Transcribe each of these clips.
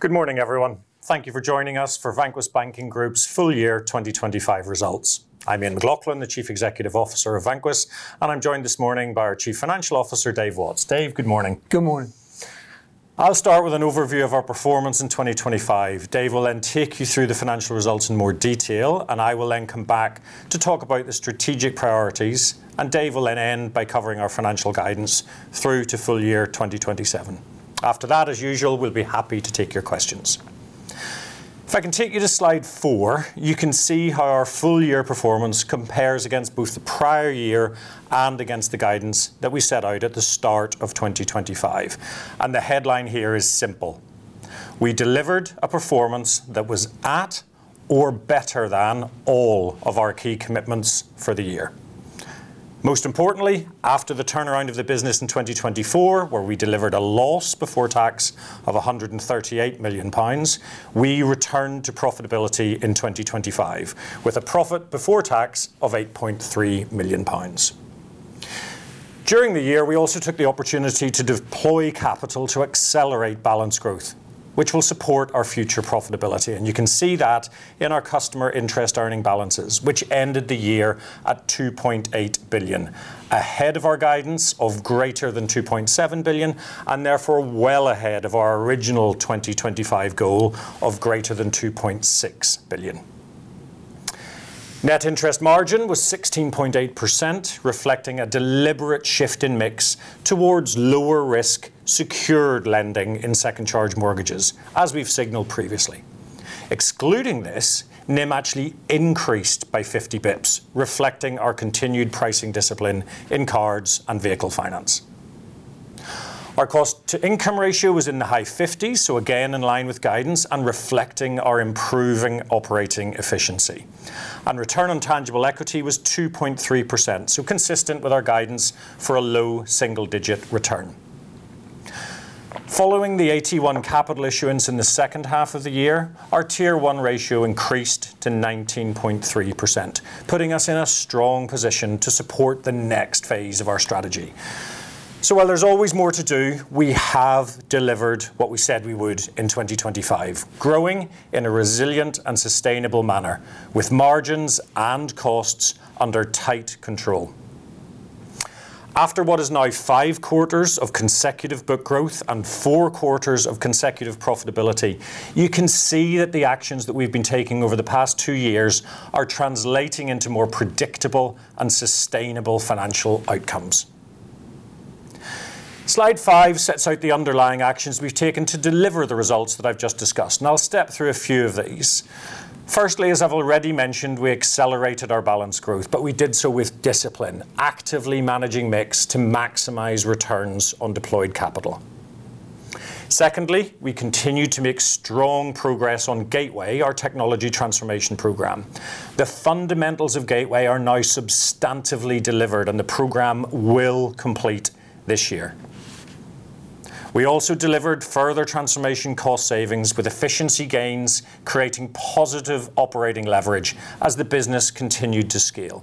Good morning, everyone. Thank you for joining us for Vanquis Banking Group's full year 2025 results. I'm Ian McLaughlin, the Chief Executive Officer of Vanquis, and I'm joined this morning by our Chief Financial Officer, Dave Watts. Dave, good morning. Good morning. I'll start with an overview of our performance in 2025. Dave will then take you through the financial results in more detail, and I will then come back to talk about the strategic priorities, and Dave will then end by covering our financial guidance through to full year 2027. After that, as usual, we'll be happy to take your questions. If I can take you to slide 4, you can see how our full-year performance compares against both the prior year and against the guidance that we set out at the start of 2025. The headline here is simple: We delivered a performance that was at or better than all of our key commitments for the year. Most importantly, after the turnaround of the business in 2024, where we delivered a loss before tax of 138 million pounds, we returned to profitability in 2025, with a profit before tax of 8.3 million pounds. During the year, we also took the opportunity to deploy capital to accelerate balance growth, which will support our future profitability. You can see that in our customer interest earning balances, which ended the year at 2.8 billion, ahead of our guidance of greater than 2.7 billion. Therefore, well ahead of our original 2025 goal of greater than 2.6 billion. Net interest margin was 16.8%, reflecting a deliberate shift in mix towards lower risk, secured lending in second charge mortgages, as we've signaled previously. Excluding this, NIM actually increased by 50 basis points, reflecting our continued pricing discipline in cards and vehicle finance. Our cost-to-income ratio was in the high 50s, again, in line with guidance and reflecting our improving operating efficiency. Return on tangible equity was 2.3%, consistent with our guidance for a low single-digit return. Following the AT1 capital issuance in the second half of the year, our Tier 1 ratio increased to 19.3%, putting us in a strong position to support the next phase of our strategy. While there's always more to do, we have delivered what we said we would in 2025, growing in a resilient and sustainable manner, with margins and costs under tight control. After what is now 5 quarters of consecutive book growth and 4 quarters of consecutive profitability, you can see that the actions that we've been taking over the past 2 years are translating into more predictable and sustainable financial outcomes. Slide 5 sets out the underlying actions we've taken to deliver the results that I've just discussed, and I'll step through a few of these. Firstly, as I've already mentioned, we accelerated our balance growth, but we did so with discipline, actively managing mix to maximize returns on deployed capital. Secondly, we continued to make strong progress on Gateway, our technology transformation program. The fundamentals of Gateway are now substantively delivered, and the program will complete this year. We also delivered further transformation cost savings, with efficiency gains creating positive operating leverage as the business continued to scale.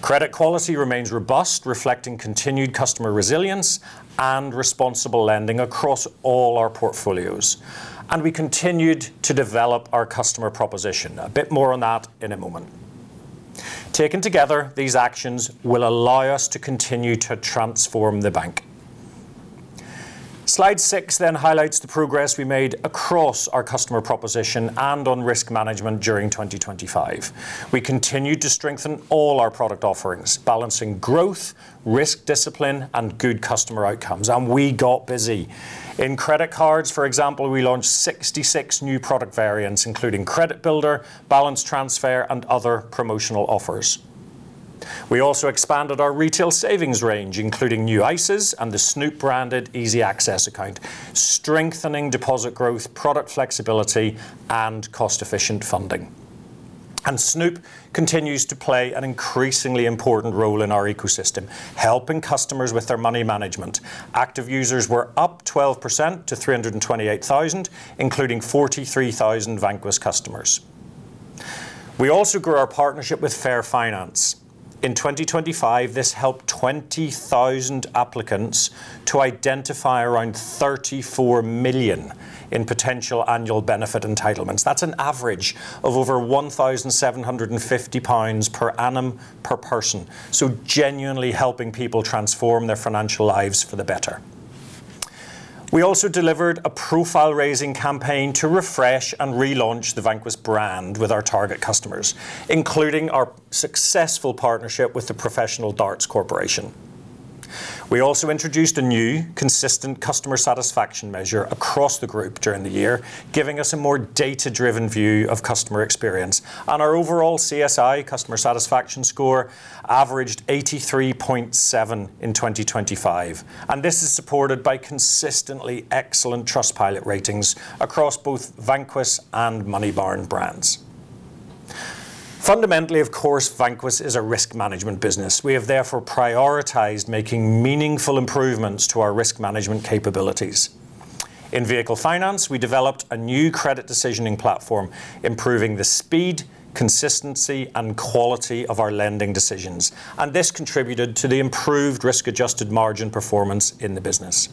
Credit quality remains robust, reflecting continued customer resilience and responsible lending across all our portfolios, and we continued to develop our customer proposition. A bit more on that in a moment. Taken together, these actions will allow us to continue to transform the bank. Slide 6 highlights the progress we made across our customer proposition and on risk management during 2025. We continued to strengthen all our product offerings, balancing growth, risk discipline, and good customer outcomes, and we got busy. In credit cards, for example, we launched 66 new product variants, including credit builder, balance transfer, and other promotional offers. We also expanded our retail savings range, including new ISAs and the Snoop-branded easy access account, strengthening deposit growth, product flexibility, and cost-efficient funding. Snoop continues to play an increasingly important role in our ecosystem, helping customers with their money management. Active users were up 12% to 328,000, including 43,000 Vanquis customers. We also grew our partnership with Fair Finance. In 2025, this helped 20,000 applicants to identify around 34 million in potential annual benefit entitlements. That's an average of over 1,750 pounds per annum per person, so genuinely helping people transform their financial lives for the better. We also delivered a profile-raising campaign to refresh and relaunch the Vanquis brand with our target customers, including our successful partnership with the Professional Darts Corporation. We also introduced a new consistent customer satisfaction measure across the group during the year, giving us a more data-driven view of customer experience. Our overall CSI, customer satisfaction score, averaged 83.7 in 2025, and this is supported by consistently excellent Trustpilot ratings across both Vanquis and Moneybarn brands. Fundamentally, of course, Vanquis is a risk management business. We have therefore prioritized making meaningful improvements to our risk management capabilities. In vehicle finance, we developed a new credit decisioning platform, improving the speed, consistency, and quality of our lending decisions, and this contributed to the improved risk-adjusted margin performance in the business.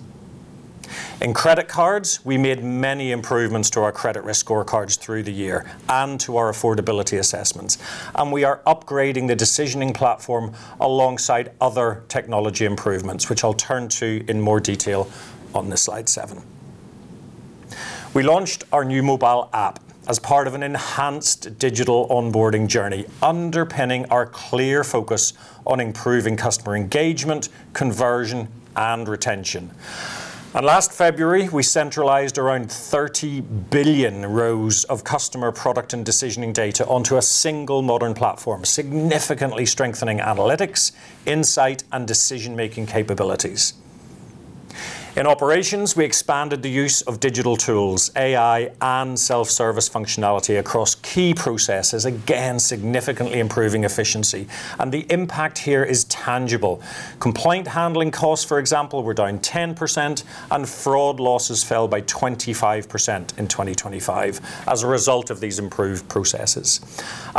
In credit cards, we made many improvements to our credit risk scorecards through the year and to our affordability assessments, and we are upgrading the decisioning platform alongside other technology improvements, which I'll turn to in more detail on slide 7. We launched our new mobile app as part of an enhanced digital onboarding journey, underpinning our clear focus on improving customer engagement, conversion, and retention. Last February, we centralized around 30 billion rows of customer product and decisioning data onto a single modern platform, significantly strengthening analytics, insight, and decision-making capabilities. In operations, we expanded the use of digital tools, AI, and self-service functionality across key processes, again, significantly improving efficiency, and the impact here is tangible. Complaint handling costs, for example, were down 10%, and fraud losses fell by 25% in 2025 as a result of these improved processes.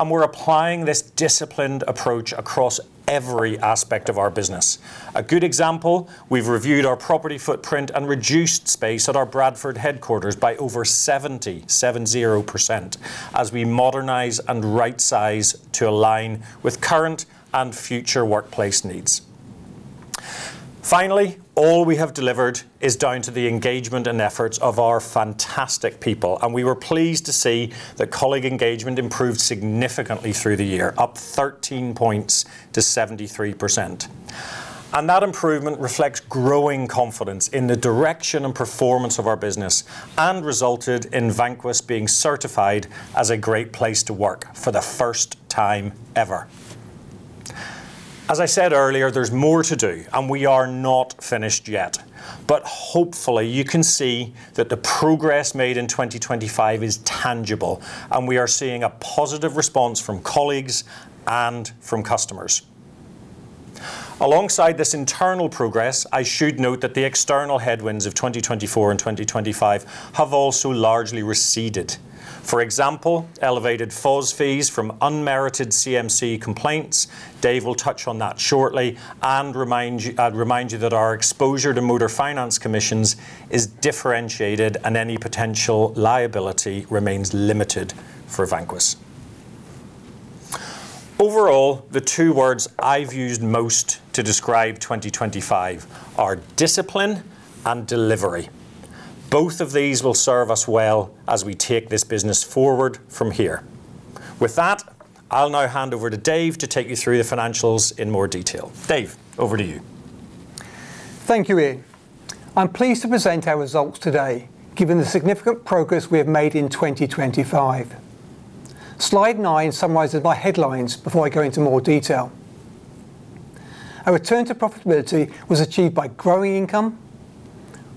We're applying this disciplined approach across every aspect of our business. A good example, we've reviewed our property footprint and reduced space at our Bradford headquarters by over 70%, as we modernize and rightsize to align with current and future workplace needs. Finally, all we have delivered is down to the engagement and efforts of our fantastic people, and we were pleased to see that colleague engagement improved significantly through the year, up 13 points to 73%. That improvement reflects growing confidence in the direction and performance of our business and resulted in Vanquis being certified as a great place to work for the first time ever. As I said earlier, there's more to do. We are not finished yet. Hopefully, you can see that the progress made in 2025 is tangible. We are seeing a positive response from colleagues and from customers. Alongside this internal progress, I should note that the external headwinds of 2024 and 2025 have also largely receded. For example, elevated FOS fees from unmerited CMC complaints. Dave will touch on that shortly and remind you that our exposure to motor finance commissions is differentiated and any potential liability remains limited for Vanquis. Overall, the two words I've used most to describe 2025 are discipline and delivery. Both of these will serve us well as we take this business forward from here. With that, I'll now hand over to Dave to take you through the financials in more detail. Dave, over to you. Thank you, Ian. I'm pleased to present our results today, given the significant progress we have made in 2025. Slide 9 summarizes my headlines before I go into more detail. Our return to profitability was achieved by growing income,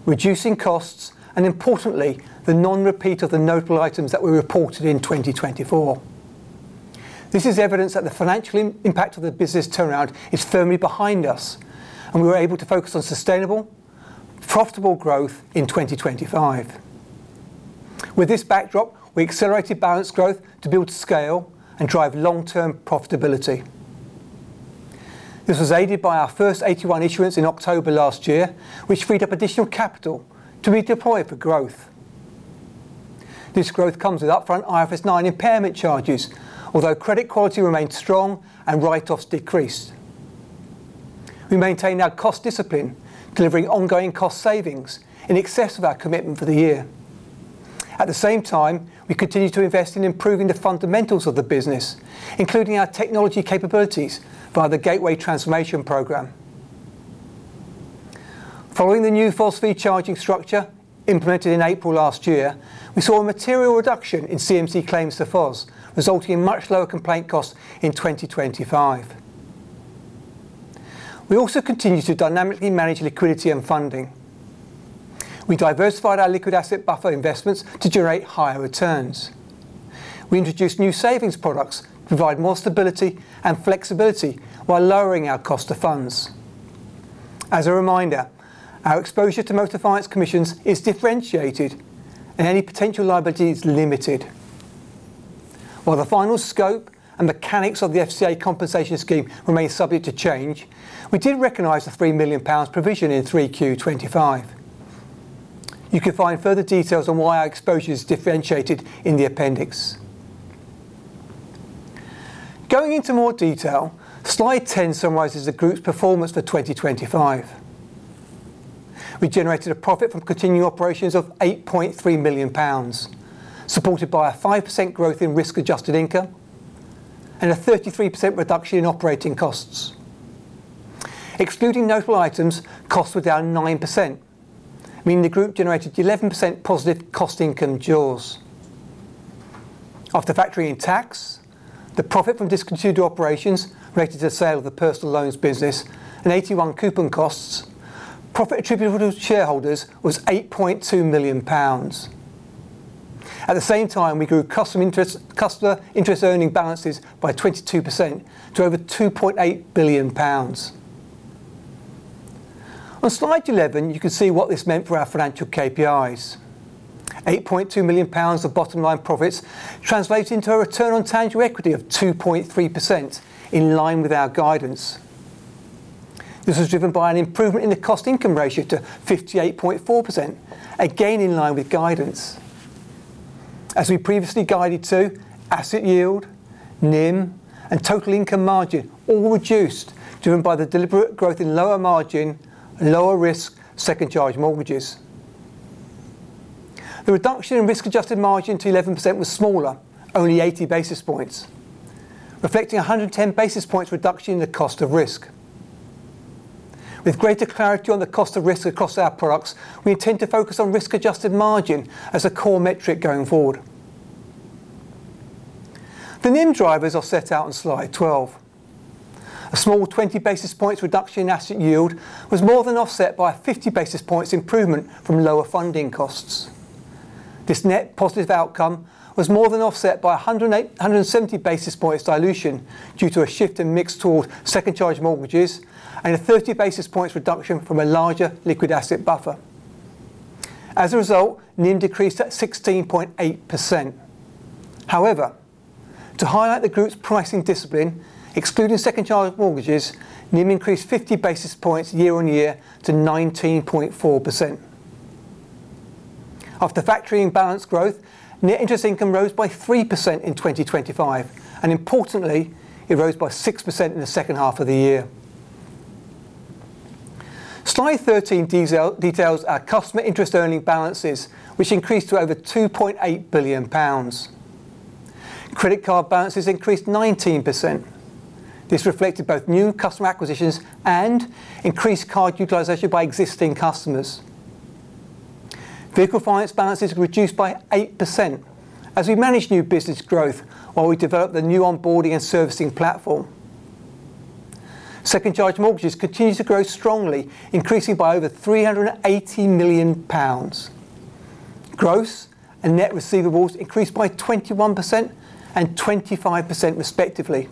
reducing costs, and importantly, the non-repeat of the notable items that we reported in 2024. This is evidence that the financial impact of the business turnaround is firmly behind us, and we were able to focus on sustainable, profitable growth in 2025. With this backdrop, we accelerated balanced growth to build scale and drive long-term profitability. This was aided by our first AT1 issuance in October last year, which freed up additional capital to be deployed for growth. This growth comes with upfront IFRS 9 impairment charges, although credit quality remains strong and write-offs decreased. We maintained our cost discipline, delivering ongoing cost savings in excess of our commitment for the year. At the same time, we continued to invest in improving the fundamentals of the business, including our technology capabilities by the Gateway Transformation program. Following the new FOS fee charging structure implemented in April last year, we saw a material reduction in CMC claims to FOS, resulting in much lower complaint costs in 2025. We also continued to dynamically manage liquidity and funding. We diversified our liquid asset buffer investments to generate higher returns. We introduced new savings products to provide more stability and flexibility while lowering our cost of funds. As a reminder, our exposure to motor finance commissions is differentiated and any potential liability is limited. While the final scope and mechanics of the FCA compensation scheme remain subject to change, we did recognize the 3 million pounds provision in 3Q 2025. You can find further details on why our exposure is differentiated in the appendix. Going into more detail, slide 10 summarizes the group's performance for 2025. We generated a profit from continuing operations of 8.3 million pounds, supported by a 5% growth in risk-adjusted income and a 33% reduction in operating costs. Excluding notable items, costs were down 9%, meaning the group generated 11% positive cost income jaws. After factoring in tax, the profit from discontinued operations related to the sale of the personal loans business and AT1 coupon costs, profit attributable to shareholders was 8.2 million pounds. We grew customer interest earning balances by 22% to over 2.8 billion pounds. On slide 11, you can see what this meant for our financial KPIs. 8.2 million pounds of bottom line profits translates into a return on tangible equity of 2.3%, in line with our guidance. This was driven by an improvement in the cost-to-income ratio to 58.4%, again, in line with guidance. As we previously guided to, asset yield, NIM, and total income margin all reduced, driven by the deliberate growth in lower margin and lower risk second charge mortgages. The reduction in risk-adjusted margin to 11% was smaller, only 80 basis points, reflecting a 110 basis points reduction in the cost of risk. With greater clarity on the cost of risk across our products, we intend to focus on risk-adjusted margin as a core metric going forward. The NIM drivers are set out on slide 12. A small 20 basis points reduction in asset yield was more than offset by a 50 basis points improvement from lower funding costs. This net positive outcome was more than offset by a 170 basis points dilution due to a shift in mix towards second charge mortgages and a 30 basis points reduction from a larger liquid asset buffer. As a result, NIM decreased at 16.8%. To highlight the group's pricing discipline, excluding second charge mortgages, NIM increased 50 basis points year-on-year to 19.4%. After factoring balance growth, net interest income rose by 3% in 2025. Importantly, it rose by 6% in the second half of the year. Slide 13 details our customer interest earning balances, which increased to over 2.8 billion pounds. Credit card balances increased 19%. This reflected both new customer acquisitions and increased card utilization by existing customers. Vehicle finance balances reduced by 8% as we managed new business growth while we developed the new onboarding and servicing platform. second charge mortgages continued to grow strongly, increasing by over 380 million pounds. Gross and net receivables increased by 21% and 25% respectively.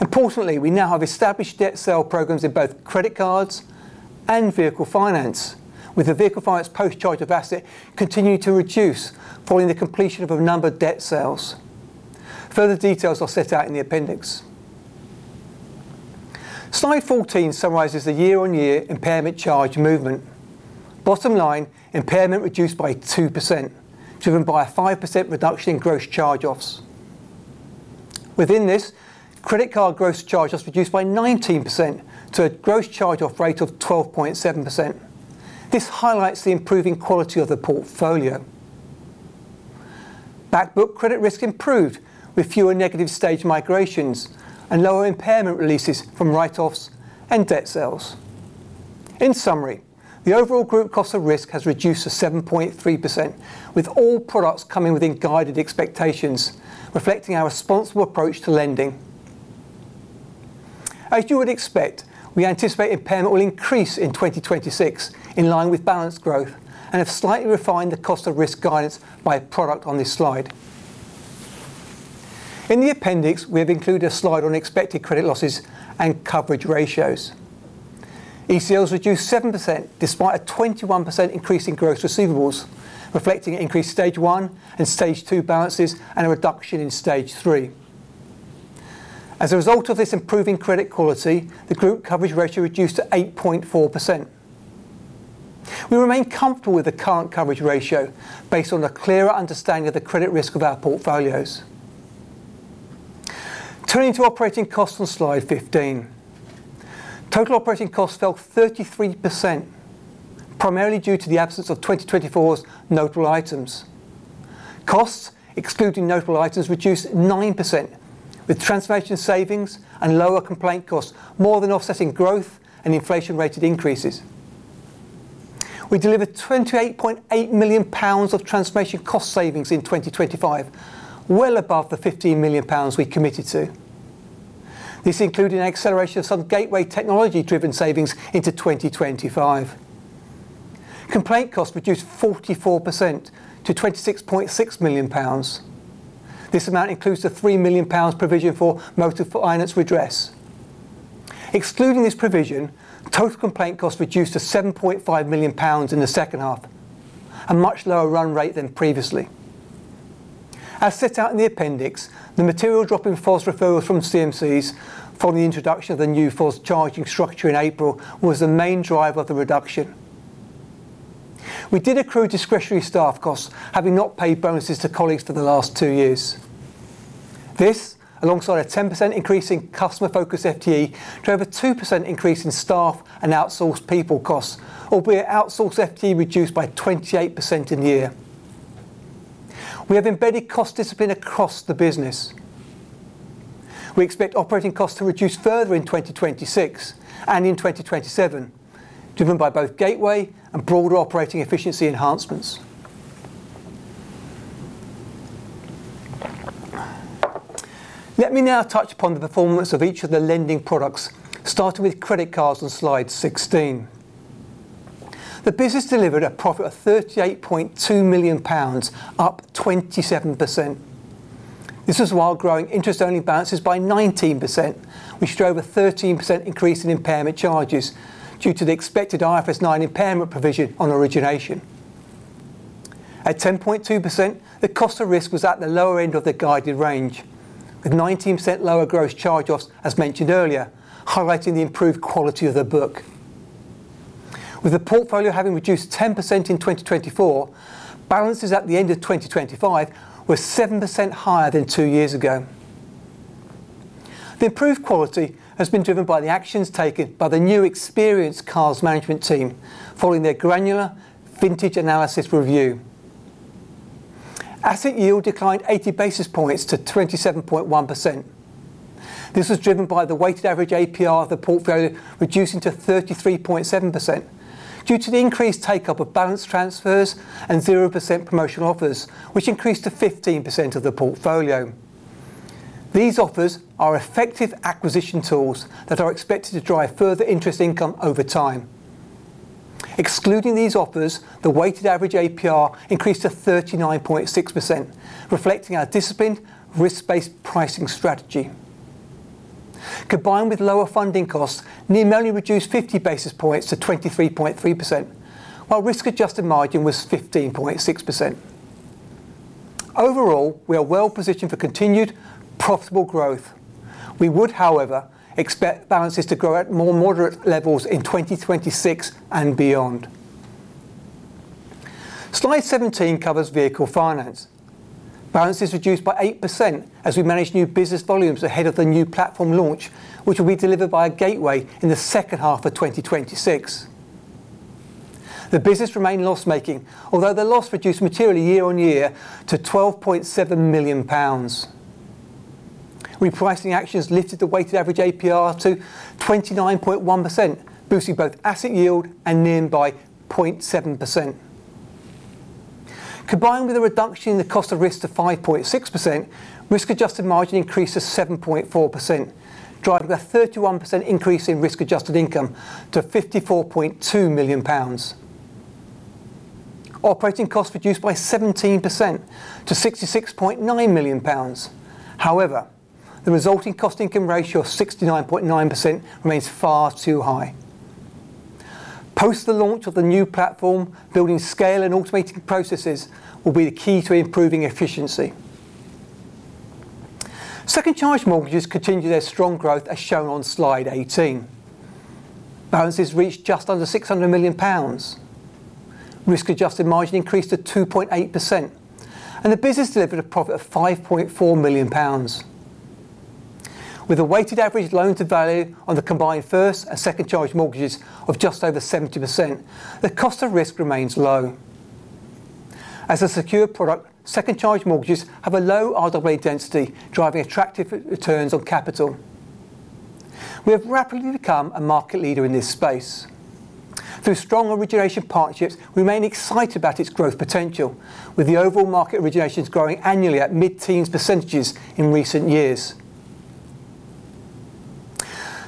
Importantly, we now have established debt sale programs in both credit cards and vehicle finance, with the vehicle finance post charge of asset continuing to reduce following the completion of a number of debt sales. Further details are set out in the appendix. Slide 14 summarizes the year-on-year impairment charge movement. Bottom line, impairment reduced by 2%, driven by a 5% reduction in gross charge-offs. Within this, credit card gross charge-offs reduced by 19% to a gross charge-off rate of 12.7%. This highlights the improving quality of the portfolio. Back book credit risk improved, with fewer negative stage migrations and lower impairment releases from write-offs and debt sales. In summary, the overall group cost of risk has reduced to 7.3%, with all products coming within guided expectations, reflecting our responsible approach to lending. As you would expect, we anticipate impairment will increase in 2026, in line with balance growth, and have slightly refined the cost of risk guidance by product on this slide. In the appendix, we have included a slide on expected credit losses and coverage ratios. ECLs reduced 7%, despite a 21% increase in gross receivables, reflecting increased Stage 1 and Stage 2 balances and a reduction in Stage 3. As a result of this improving credit quality, the group coverage ratio reduced to 8.4%. We remain comfortable with the current coverage ratio based on a clearer understanding of the credit risk of our portfolios. Turning to operating costs on slide 15. Total operating costs fell 33%, primarily due to the absence of 2024's notable items. Costs, excluding notable items, reduced 9%, with transformation savings and lower complaint costs more than offsetting growth and inflation-related increases. We delivered 28.8 million pounds of transformation cost savings in 2025, well above the 15 million pounds we committed to. This included an acceleration of some Gateway technology-driven savings into 2025. Complaint costs reduced 44% to 26.6 million pounds. This amount includes the 3 million pounds provision for motor finance redress. Excluding this provision, total complaint costs reduced to 7.5 million pounds in the second half, a much lower run rate than previously. As set out in the appendix, the material drop in false referrals from CMCs following the introduction of the new false charging structure in April was the main driver of the reduction. We did accrue discretionary staff costs, having not paid bonuses to colleagues for the last two years. This, alongside a 10% increase in customer focus FTE to over 2% increase in staff and outsourced people costs, albeit outsourced FTE reduced by 28% in the year. We have embedded cost discipline across the business. We expect operating costs to reduce further in 2026 and in 2027, driven by both Gateway and broader operating efficiency enhancements. Let me now touch upon the performance of each of the lending products, starting with credit cards on slide 16. The business delivered a profit of 38.2 million pounds, up 27%. This is while growing interest-only balances by 19%, which drove a 13% increase in impairment charges due to the expected IFRS 9 impairment provision on origination. At 10.2%, the cost of risk was at the lower end of the guided range, with 19% lower gross charge-offs, as mentioned earlier, highlighting the improved quality of the book. With the portfolio having reduced 10% in 2024, balances at the end of 2025 were 7% higher than two years ago. The improved quality has been driven by the actions taken by the new experienced cars management team, following their granular vintage analysis review. Asset yield declined 80 basis points to 27.1%. This was driven by the weighted average APR of the portfolio reducing to 33.7%, due to the increased take-up of balance transfers and 0% promotional offers, which increased to 15% of the portfolio. These offers are effective acquisition tools that are expected to drive further interest income over time. Excluding these offers, the weighted average APR increased to 39.6%, reflecting our disciplined risk-based pricing strategy. Combined with lower funding costs, NIM only reduced 50 basis points to 23.3%, while risk-adjusted margin was 15.6%. Overall, we are well positioned for continued profitable growth. We would, however, expect balances to grow at more moderate levels in 2026 and beyond. Slide 17 covers vehicle finance. Balances reduced by 8% as we managed new business volumes ahead of the new platform launch, which will be delivered by a Gateway in the second half of 2026. The business remained loss-making, although the loss reduced materially year-on-year to 12.7 million pounds. Repricing actions lifted the weighted average APR to 29.1%, boosting both asset yield and NIM by 0.7%. Combined with a reduction in the cost of risk to 5.6%, risk-adjusted margin increased to 7.4%, driving a 31% increase in risk-adjusted income to 54.2 million pounds. Operating costs reduced by 17% to 66.9 million pounds. The resulting cost-to-income ratio of 69.9% remains far too high. Post the launch of the new platform, building scale and automating processes will be the key to improving efficiency. Second Charge Mortgages continued their strong growth, as shown on slide 18. Balances reached just under 600 million pounds. Risk-adjusted margin increased to 2.8%, and the business delivered a profit of 5.4 million pounds. With a weighted average loan-to-value on the combined first and Second Charge Mortgages of just over 70%, the cost of risk remains low. As a secure product, Second Charge Mortgages have a low RWA density, driving attractive returns on capital. We have rapidly become a market leader in this space. Through strong origination partnerships, we remain excited about its growth potential, with the overall market originations growing annually at mid-teens percentages in recent years.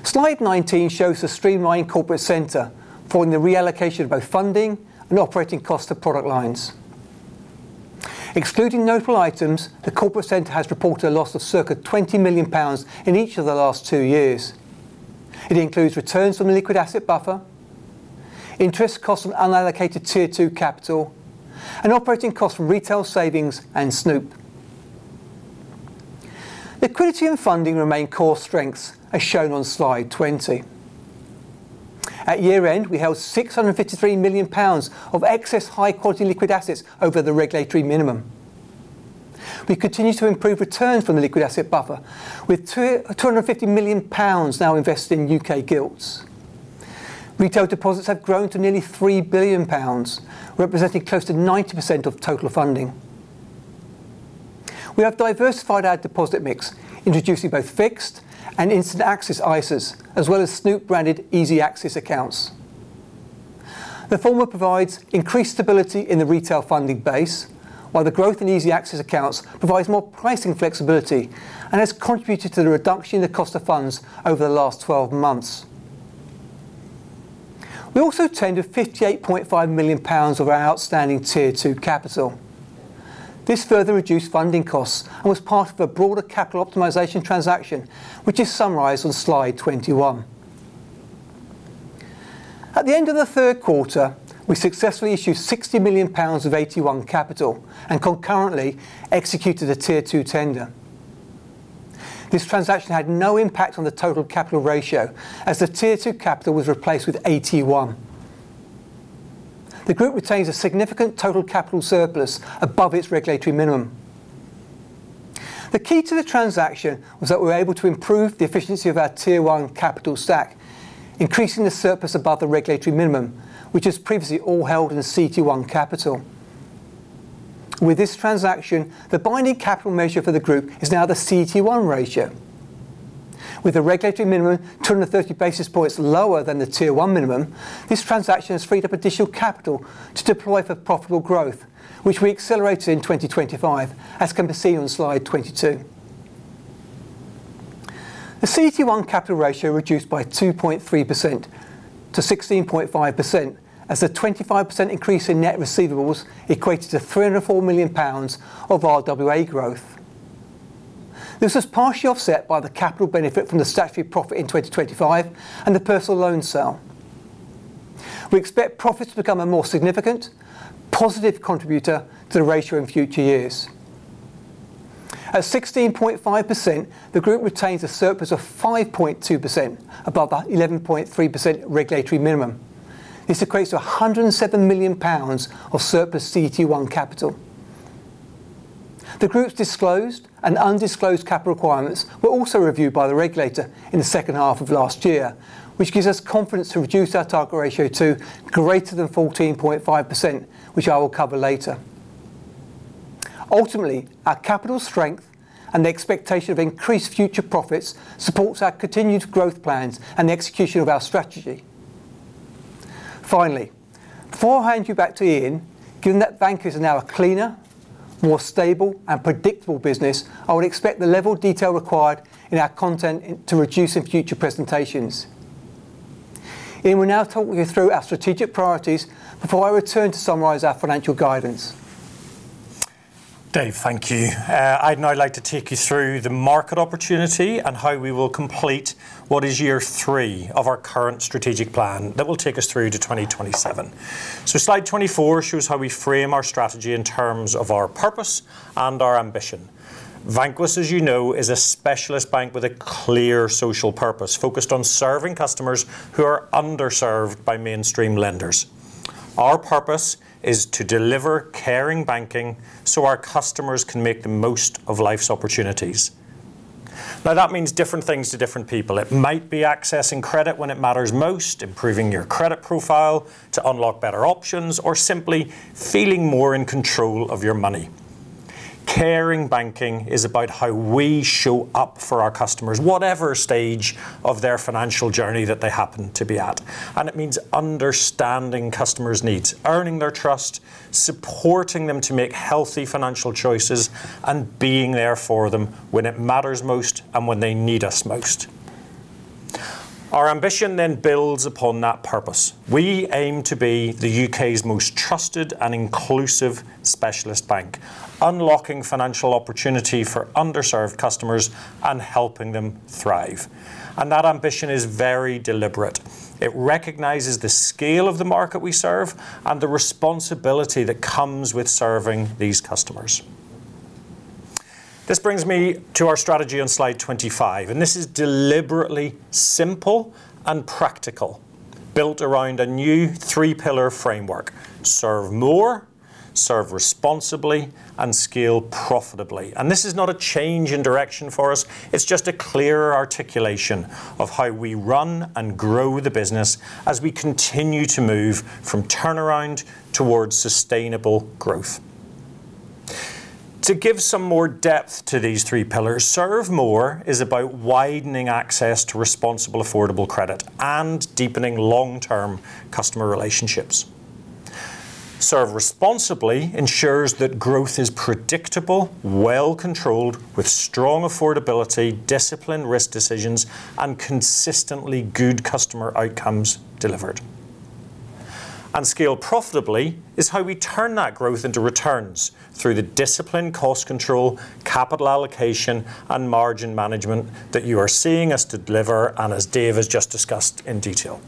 Slide 19 shows the streamlined corporate center following the reallocation of both funding and operating costs to product lines. Excluding notable items, the corporate center has reported a loss of circa 20 million pounds in each of the last 2 years. It includes returns from the liquid asset buffer, interest costs from unallocated Tier 2 capital, and operating costs from retail savings and Snoop. Liquidity and funding remain core strengths, as shown on slide 20. At year-end, we held 653 million pounds of excess high-quality liquid assets over the regulatory minimum. We continue to improve returns from the liquid asset buffer, with 250 million pounds now invested in U.K. gilts. Retail deposits have grown to nearly 3 billion pounds, representing close to 90% of total funding. We have diversified our deposit mix, introducing both fixed and instant access ISAs, as well as Snoop-branded easy access accounts. The former provides increased stability in the retail funding base, while the growth in easy access accounts provides more pricing flexibility and has contributed to the reduction in the cost of funds over the last 12 months. We also tendered 58.5 million pounds of our outstanding Tier 2 capital. This further reduced funding costs and was part of a broader capital optimization transaction, which is summarized on slide 21. At the end of the third quarter, we successfully issued 60 million pounds of AT1 capital and concurrently executed a Tier 2 tender. This transaction had no impact on the total capital ratio, as the Tier 2 capital was replaced with AT1. The group retains a significant total capital surplus above its regulatory minimum. The key to the transaction was that we were able to improve the efficiency of our Tier 1 capital stack, increasing the surplus above the regulatory minimum, which was previously all held in the CET1 capital. With this transaction, the binding capital measure for the group is now the CET1 ratio. With the regulatory minimum 230 basis points lower than the Tier 1 minimum, this transaction has freed up additional capital to deploy for profitable growth, which we accelerated in 2025, as can be seen on slide 22. The CET1 capital ratio reduced by 2.3% to 16.5% as the 25% increase in net receivables equated to 304 million pounds of RWA growth. This was partially offset by the capital benefit from the statutory profit in 2025 and the personal loan sale. We expect profits to become a more significant, positive contributor to the ratio in future years. At 16.5%, the group retains a surplus of 5.2% above that 11.3% regulatory minimum. This equates to 107 million pounds of surplus CET1 capital. The group's disclosed and undisclosed capital requirements were also reviewed by the regulator in the second half of last year, which gives us confidence to reduce our target ratio to greater than 14.5%, which I will cover later. Ultimately, our capital strength and the expectation of increased future profits supports our continued growth plans and the execution of our strategy. Finally, before I hand you back to Ian, given that Vanquis is now a cleaner, more stable and predictable business, I would expect the level of detail required in our content to reduce in future presentations. Ian will now talk you through our strategic priorities before I return to summarize our financial guidance. Dave, thank you. I'd now like to take you through the market opportunity and how we will complete what is year 3 of our current strategic plan that will take us through to 2027. Slide 24 shows how we frame our strategy in terms of our purpose and our ambition. Vanquis, as you know, is a specialist bank with a clear social purpose, focused on serving customers who are underserved by mainstream lenders. Our purpose is to deliver caring banking so our customers can make the most of life's opportunities. That means different things to different people. It might be accessing credit when it matters most, improving your credit profile to unlock better options, or simply feeling more in control of your money. Caring banking is about how we show up for our customers, whatever stage of their financial journey that they happen to be at. It means understanding customers' needs, earning their trust, supporting them to make healthy financial choices, and being there for them when it matters most and when they need us most. Our ambition then builds upon that purpose. We aim to be the U.K.'s most trusted and inclusive specialist bank, unlocking financial opportunity for underserved customers and helping them thrive. That ambition is very deliberate. It recognizes the scale of the market we serve and the responsibility that comes with serving these customers. This brings me to our strategy on slide 25. This is deliberately simple and practical, built around a new three-pillar framework: serve more, serve responsibly, and scale profitably. This is not a change in direction for us. It's just a clearer articulation of how we run and grow the business as we continue to move from turnaround towards sustainable growth. To give some more depth to these three pillars, serve more is about widening access to responsible, affordable credit and deepening long-term customer relationships. Serve responsibly ensures that growth is predictable, well controlled, with strong affordability, disciplined risk decisions, and consistently good customer outcomes delivered. Scale profitably is how we turn that growth into returns through the disciplined cost control, capital allocation, and margin management that you are seeing us deliver and as Dave has just discussed in detail.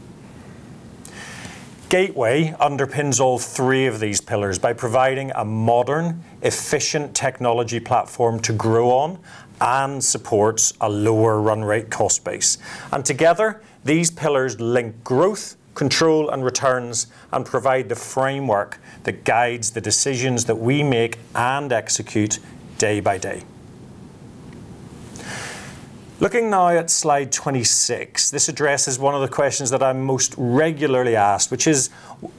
Gateway underpins all three of these pillars by providing a modern, efficient technology platform to grow on and supports a lower run rate cost base. Together, these pillars link growth, control, and returns and provide the framework that guides the decisions that we make and execute day by day. Looking now at slide 26, this addresses one of the questions that I'm most regularly asked, which is: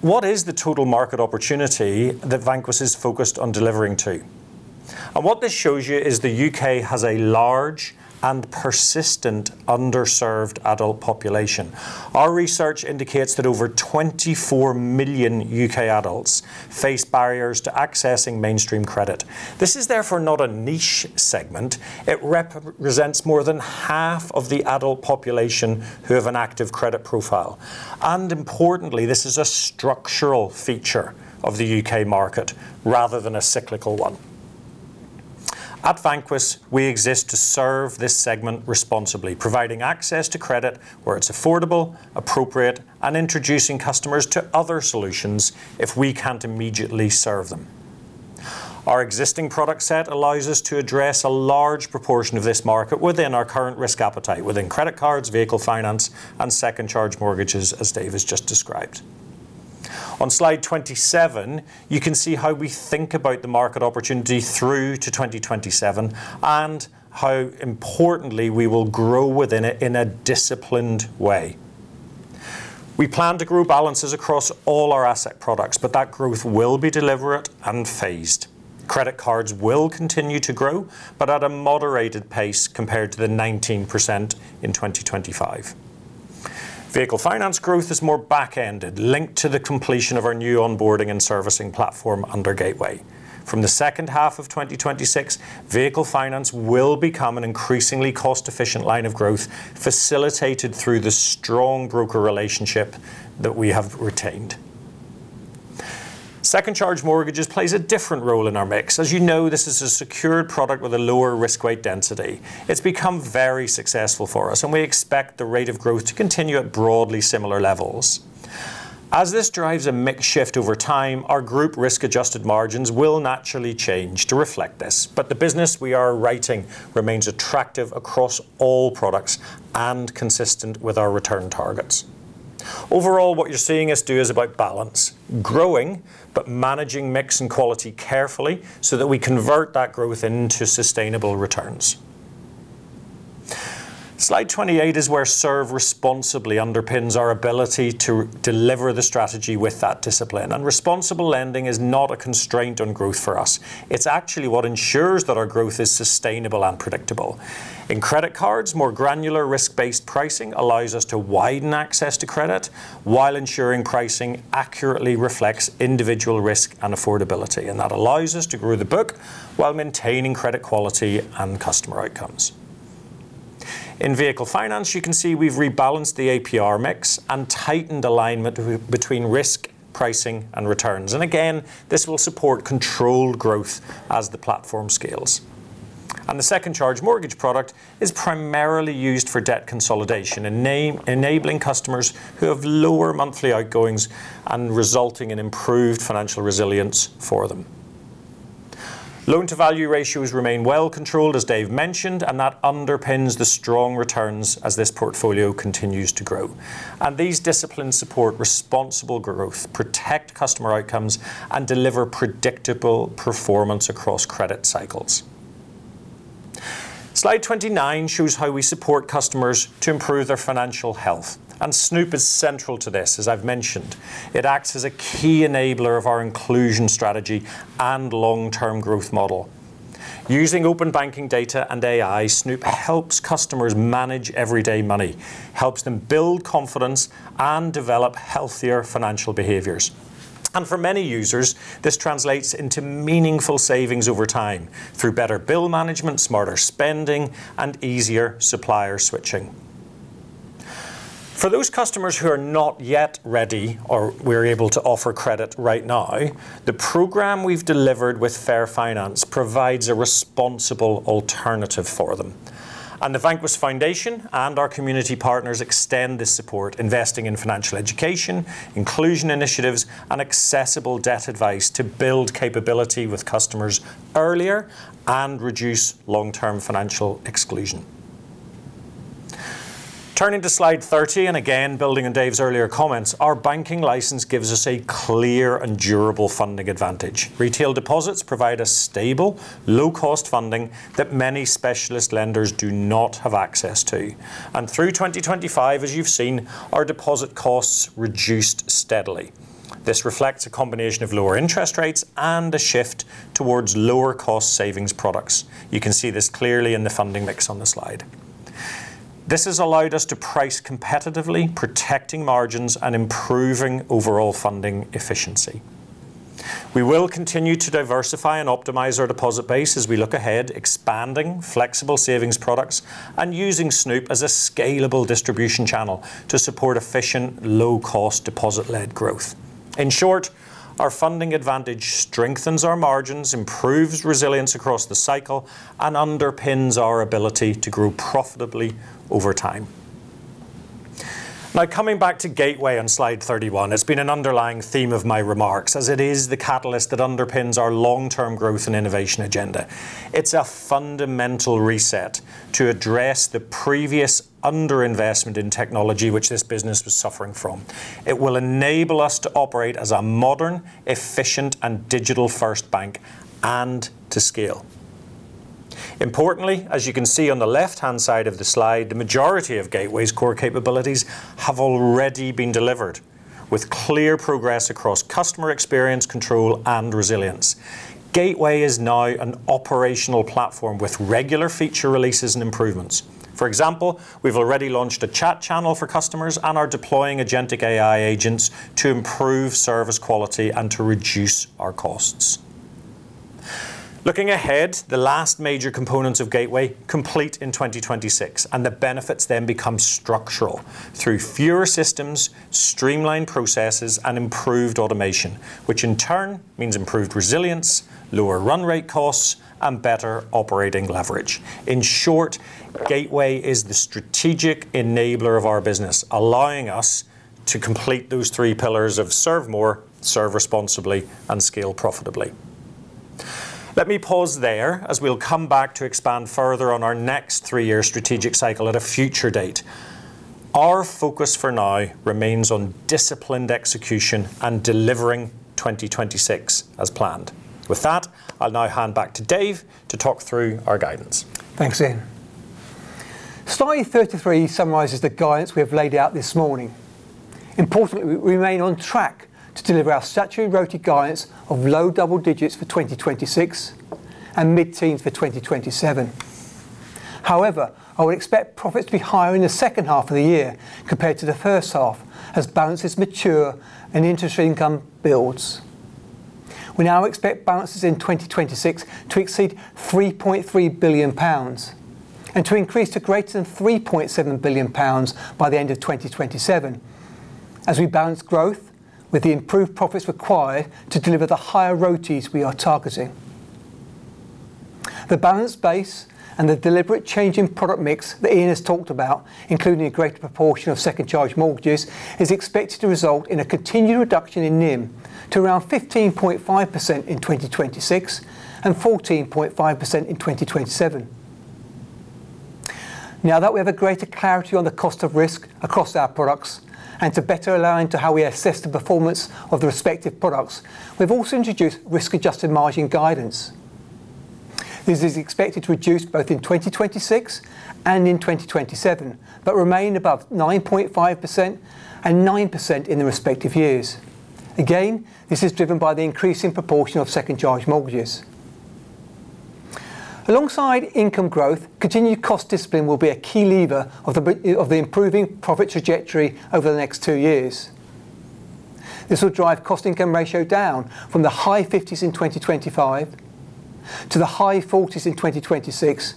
What is the total market opportunity that Vanquis is focused on delivering to? What this shows you is the U.K. has a large and persistent underserved adult population. Our research indicates that over 24 million U.K. adults face barriers to accessing mainstream credit. This is therefore not a niche segment. It represents more than half of the adult population who have an active credit profile. Importantly, this is a structural feature of the U.K. market rather than a cyclical one. At Vanquis, we exist to serve this segment responsibly, providing access to credit where it's affordable, appropriate, and introducing customers to other solutions if we can't immediately serve them. Our existing product set allows us to address a large proportion of this market within our current risk appetite, within credit cards, vehicle finance, and second charge mortgages, as Dave has just described. On slide 27, you can see how we think about the market opportunity through to 2027 and how importantly we will grow within it in a disciplined way. We plan to grow balances across all our asset products, but that growth will be deliberate and phased. Credit cards will continue to grow, but at a moderated pace compared to the 19% in 2025. Vehicle finance growth is more back-ended, linked to the completion of our new onboarding and servicing platform under Gateway. From the second half of 2026, vehicle finance will become an increasingly cost-efficient line of growth, facilitated through the strong broker relationship that we have retained. Second charge mortgages plays a different role in our mix. As you know, this is a secured product with a lower risk weight density. It's become very successful for us, and we expect the rate of growth to continue at broadly similar levels. As this drives a mix shift over time, our group risk-adjusted margins will naturally change to reflect this, but the business we are writing remains attractive across all products and consistent with our return targets. Overall, what you're seeing us do is about balance, growing, but managing mix and quality carefully so that we convert that growth into sustainable returns. Slide 28 is where serve responsibly underpins our ability to deliver the strategy with that discipline. Responsible lending is not a constraint on growth for us. It's actually what ensures that our growth is sustainable and predictable. In credit cards, more granular risk-based pricing allows us to widen access to credit while ensuring pricing accurately reflects individual risk and affordability, and that allows us to grow the book while maintaining credit quality and customer outcomes. In vehicle finance, you can see we've rebalanced the APR mix and tightened alignment between risk, pricing, and returns. Again, this will support controlled growth as the platform scales. The second charge mortgage product is primarily used for debt consolidation, enabling customers who have lower monthly outgoings and resulting in improved financial resilience for them. Loan-to-value ratios remain well controlled, as Dave mentioned, and that underpins the strong returns as this portfolio continues to grow. These disciplines support responsible growth, protect customer outcomes, and deliver predictable performance across credit cycles. Slide 29 shows how we support customers to improve their financial health. Snoop is central to this, as I've mentioned. It acts as a key enabler of our inclusion strategy and long-term growth model. Using open banking data and AI, Snoop helps customers manage everyday money, helps them build confidence, and develop healthier financial behaviors. For many users, this translates into meaningful savings over time, through better bill management, smarter spending, and easier supplier switching. For those customers who are not yet ready or we're able to offer credit right now, the program we've delivered with Fair Finance provides a responsible alternative for them. The Vanquis Foundation and our community partners extend this support, investing in financial education, inclusion initiatives, and accessible debt advice to build capability with customers earlier and reduce long-term financial exclusion. Turning to slide 30, again, building on Dave's earlier comments, our banking license gives us a clear and durable funding advantage. Retail deposits provide a stable, low-cost funding that many specialist lenders do not have access to. Through 2025, as you've seen, our deposit costs reduced steadily. This reflects a combination of lower interest rates and a shift towards lower-cost savings products. You can see this clearly in the funding mix on the slide. This has allowed us to price competitively, protecting margins, and improving overall funding efficiency. We will continue to diversify and optimize our deposit base as we look ahead, expanding flexible savings products and using Snoop as a scalable distribution channel to support efficient, low-cost, deposit-led growth. In short, our funding advantage strengthens our margins, improves resilience across the cycle, and underpins our ability to grow profitably over time. Coming back to Gateway on slide 31, it's been an underlying theme of my remarks, as it is the catalyst that underpins our long-term growth and innovation agenda. It's a fundamental reset to address the previous underinvestment in technology, which this business was suffering from. It will enable us to operate as a modern, efficient, and digital-first bank and to scale. Importantly, as you can see on the left-hand side of the slide, the majority of Gateway's core capabilities have already been delivered, with clear progress across customer experience, control, and resilience. Gateway is now an operational platform with regular feature releases and improvements. For example, we've already launched a chat channel for customers and are deploying agentic AI agents to improve service quality and to reduce our costs. Looking ahead, the last major components of Gateway complete in 2026, and the benefits then become structural through fewer systems, streamlined processes, and improved automation, which in turn means improved resilience, lower run rate costs, and better operating leverage. In short, Gateway is the strategic enabler of our business, allowing us to complete those three pillars of serve more, serve responsibly, and scale profitably. Let me pause there as we'll come back to expand further on our next three-year strategic cycle at a future date. Our focus for now remains on disciplined execution and delivering 2026 as planned. I'll now hand back to Dave to talk through our guidance. Thanks, Ian. Slide 33 summarizes the guidance we have laid out this morning. Importantly, we remain on track to deliver our statutory ROTE guidance of low double digits for 2026 and mid-teens for 2027. I would expect profits to be higher in the second half of the year compared to the first half, as balances mature and interest income builds. We now expect balances in 2026 to exceed 3.3 billion pounds, and to increase to greater than 3.7 billion pounds by the end of 2027, as we balance growth with the improved profits required to deliver the higher ROTEs we are targeting. The balance base and the deliberate change in product mix that Ian has talked about, including a greater proportion of second charge mortgages, is expected to result in a continued reduction in NIM to around 15.5% in 2026 and 14.5% in 2027. Now that we have a greater clarity on the cost of risk across our products and to better align to how we assess the performance of the respective products, we've also introduced risk-adjusted margin guidance. This is expected to reduce both in 2026 and in 2027, but remain above 9.5% and 9% in the respective years. Again, this is driven by the increasing proportion of second charge mortgages. Alongside income growth, continued cost discipline will be a key lever of the improving profit trajectory over the next two years. This will drive cost-to-income ratio down from the high 50s in 2025 to the high 40s in 2026,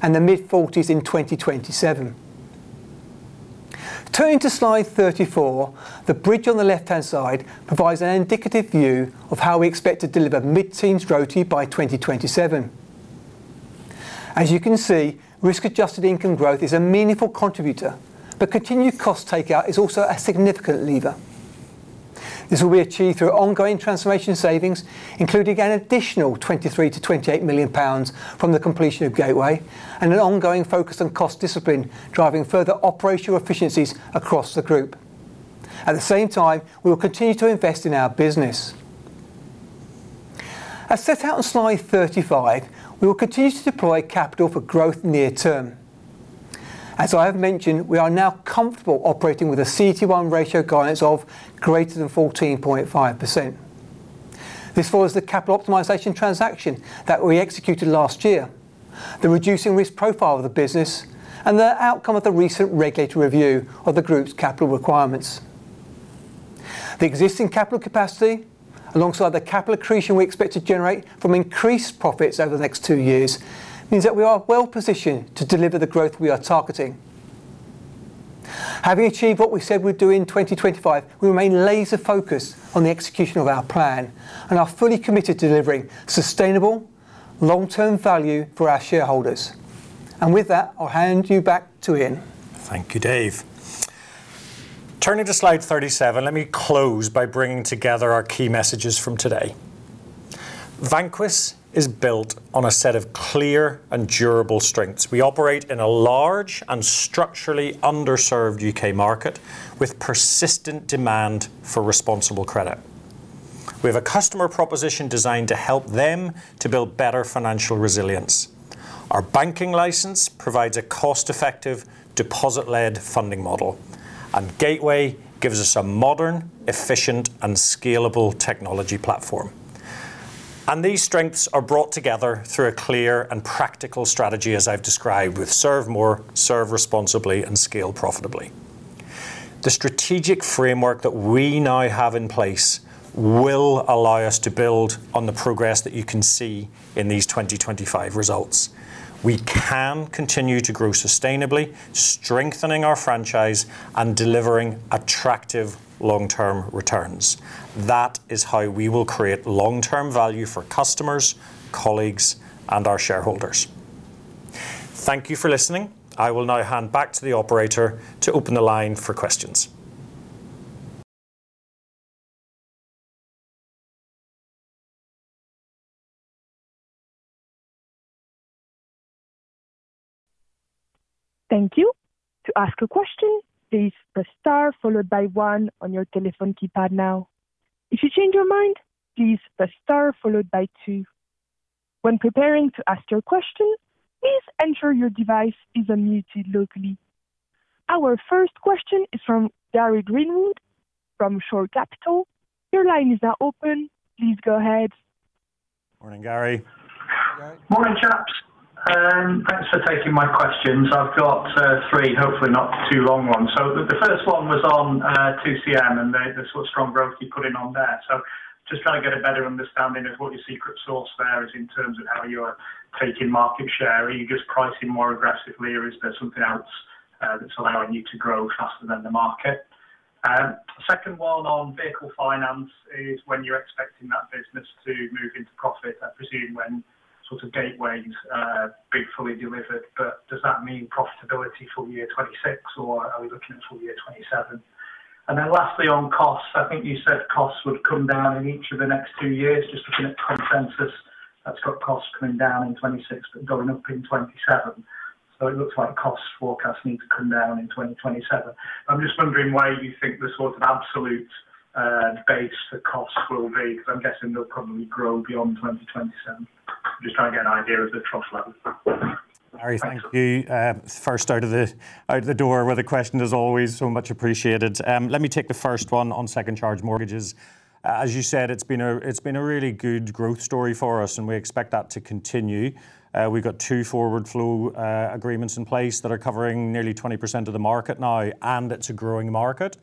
and the mid-40s in 2027. Turning to slide 34, the bridge on the left-hand side provides an indicative view of how we expect to deliver mid-teens ROTE by 2027. As you can see, risk-adjusted income growth is a meaningful contributor, but continued cost takeout is also a significant lever. This will be achieved through ongoing transformation savings, including an additional 23 million-28 million pounds from the completion of Gateway and an ongoing focus on cost discipline, driving further operational efficiencies across the group. At the same time, we will continue to invest in our business. As set out in slide 35, we will continue to deploy capital for growth near term. As I have mentioned, we are now comfortable operating with a CET1 ratio guidance of greater than 14.5%. This follows the capital optimization transaction that we executed last year, the reducing risk profile of the business, and the outcome of the recent regulatory review of the group's capital requirements. The existing capital capacity, alongside the capital accretion we expect to generate from increased profits over the next two years, means that we are well positioned to deliver the growth we are targeting. Having achieved what we said we'd do in 2025, we remain laser focused on the execution of our plan and are fully committed to delivering sustainable, long-term value for our shareholders. With that, I'll hand you back to Ian. Thank you, Dave. Turning to slide 37, let me close by bringing together our key messages from today. Vanquis is built on a set of clear and durable strengths. We operate in a large and structurally underserved U.K. market with persistent demand for responsible credit. We have a customer proposition designed to help them to build better financial resilience. Our banking license provides a cost-effective, deposit-led funding model, and Gateway gives us a modern, efficient, and scalable technology platform. These strengths are brought together through a clear and practical strategy, as I've described, with serve more, serve responsibly, and scale profitably. The strategic framework that we now have in place will allow us to build on the progress that you can see in these 2025 results. We can continue to grow sustainably, strengthening our franchise and delivering attractive long-term returns. That is how we will create long-term value for customers, colleagues, and our shareholders. Thank you for listening. I will now hand back to the operator to open the line for questions. Thank you. To ask a question, please press star followed by one on your telephone keypad now. If you change your mind, please press star followed by two. When preparing to ask your question, please ensure your device is unmuted locally. Our first question is from Gary Greenwood from Shore Capital. Your line is now open. Please go ahead. Morning, Gary. Morning, Gary. Morning, chaps. Thanks for taking my questions. I've got three, hopefully not two long ones. The first one was on 2CM and the sort of strong growth you're putting on there. Just trying to get a better understanding of what your secret sauce there is in terms of how you're taking market share. Are you just pricing more aggressively, or is there something else that's allowing you to grow faster than the market? Second one on vehicle finance is when you're expecting that business to move into profit. I presume when sort of Gateway's been fully delivered, but does that mean profitability full year 2026, or are we looking at full year 2027? Lastly, on costs. I think you said costs would come down in each of the next 2 years. Just looking at consensus, that's got costs coming down in 2026, but going up in 2027. It looks like cost forecasts need to come down in 2027. I'm just wondering why you think the sort of absolute base for costs will be, because I'm guessing they'll probably grow beyond 2027. I'm just trying to get an idea of the trust level. Gary, thank you. First out of the, out of the door with a question is always so much appreciated. Let me take the first one on second charge mortgages. As you said, it's been a, it's been a really good growth story for us, and we expect that to continue. We've got 2 forward flow agreements in place that are covering nearly 20% of the market now, and it's a growing market.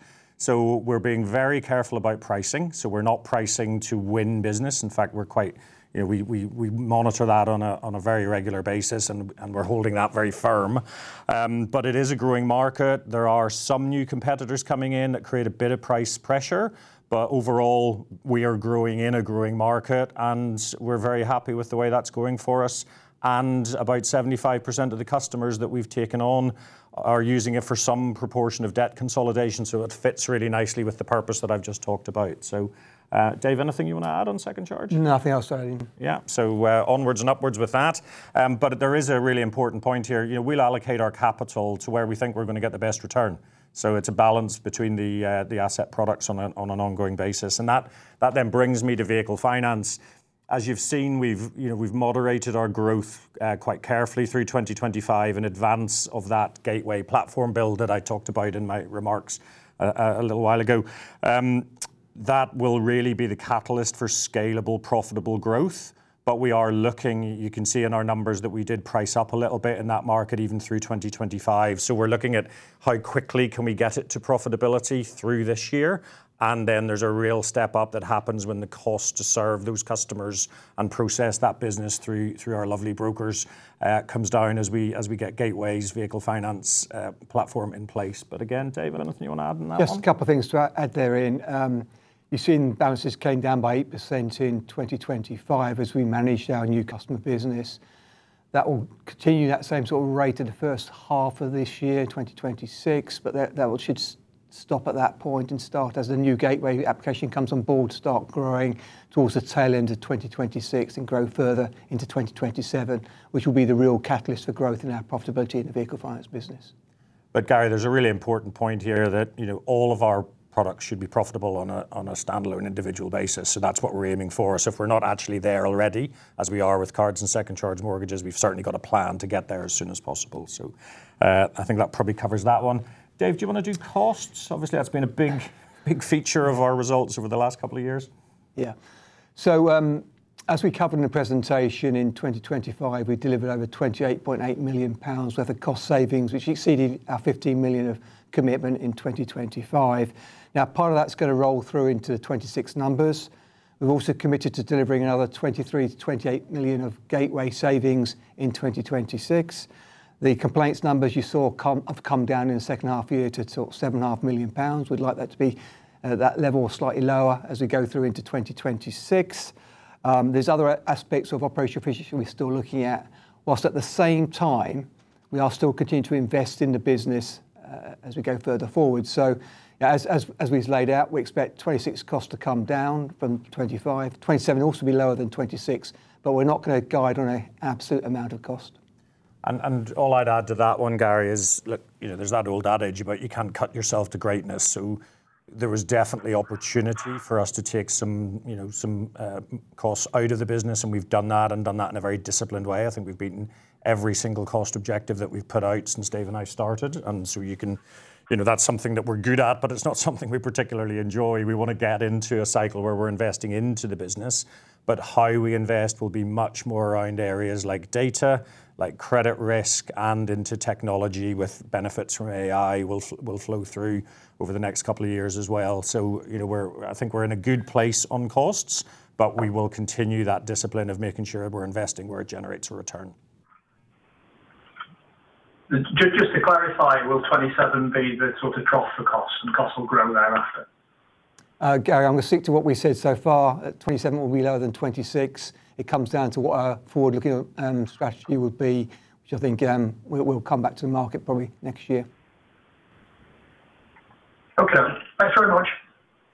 We're being very careful about pricing, so we're not pricing to win business. In fact, we're quite, you know, we, we monitor that on a, on a very regular basis, and we're holding that very firm. It is a growing market. There are some new competitors coming in that create a bit of price pressure. Overall, we are growing in a growing market, and we're very happy with the way that's going for us. About 75% of the customers that we've taken on are using it for some proportion of debt consolidation, so it fits really nicely with the purpose that I've just talked about. Dave, anything you want to add on second charge? Nothing else to add, Ian. Yeah. Onwards and upwards with that. There is a really important point here. You know, we'll allocate our capital to where we think we're going to get the best return. It's a balance between the asset products on an ongoing basis. That then brings me to vehicle finance. As you've seen, we've, you know, we've moderated our growth quite carefully through 2025 in advance of that Gateway platform build that I talked about in my remarks a little while ago. That will really be the catalyst for scalable, profitable growth. We are looking, you can see in our numbers that we did price up a little bit in that market, even through 2025. We're looking at how quickly can we get it to profitability through this year. Then there's a real step up that happens when the cost to serve those customers and process that business through our lovely brokers, comes down as we get Gateway's vehicle finance platform in place. Again, Dave, anything you want to add on that one? Just a couple of things to add there, Ian. You've seen balances came down by 8% in 2025 as we managed our new customer business. That will continue that same sort of rate in the first half of this year, 2026. That should stop at that point and start as the new Gateway application comes on board, start growing towards the tail end of 2026 and grow further into 2027, which will be the real catalyst for growth and our profitability in the vehicle finance business. Gary, there's a really important point here that, you know, all of our products should be profitable on a standalone individual basis, so that's what we're aiming for. If we're not actually there already, as we are with cards and second charge mortgages, we've certainly got a plan to get there as soon as possible. I think that probably covers that one. Dave, do you want to do costs? Obviously, that's been a big, big feature of our results over the last couple years. As we covered in the presentation, in 2025, we delivered over 28.8 million pounds worth of cost savings, which exceeded our 15 million of commitment in 2025. Part of that's going to roll through into the 2026 numbers. We've also committed to delivering another 23 million-28 million of Gateway savings in 2026. The complaints numbers you saw have come down in the second half year to sort of 7.5 million pounds. We'd like that to be at that level or slightly lower as we go through into 2026. There's other aspects of operational efficiency we're still looking at, whilst at the same time, we are still continuing to invest in the business as we go further forward. As we've laid out, we expect 2026 costs to come down from 2025. 2027 also be lower than 2026, but we're not going to guide on an absolute amount of cost. All I'd add to that one, Gary, is, look, you know, there's that old adage about you can't cut yourself to greatness. There was definitely opportunity for us to take some, you know, some costs out of the business. We've done that and done that in a very disciplined way. I think we've beaten every single cost objective that we've put out since Dave and I started. You can. You know, that's something that we're good at, but it's not something we particularly enjoy. We want to get into a cycle where we're investing into the business, but how we invest will be much more around areas like data, like credit risk, and into technology with benefits from AI will flow through over the next couple of years as well. you know, I think we're in a good place on costs, but we will continue that discipline of making sure we're investing where it generates a return. Just to clarify, will 2027 be the sort of trough for cost, and cost will grow thereafter? Gary, I'm going to stick to what we said so far. 2027 will be lower than 2026. It comes down to what our forward-looking strategy would be, which I think, we'll come back to the market probably next year. Okay. Thanks very much.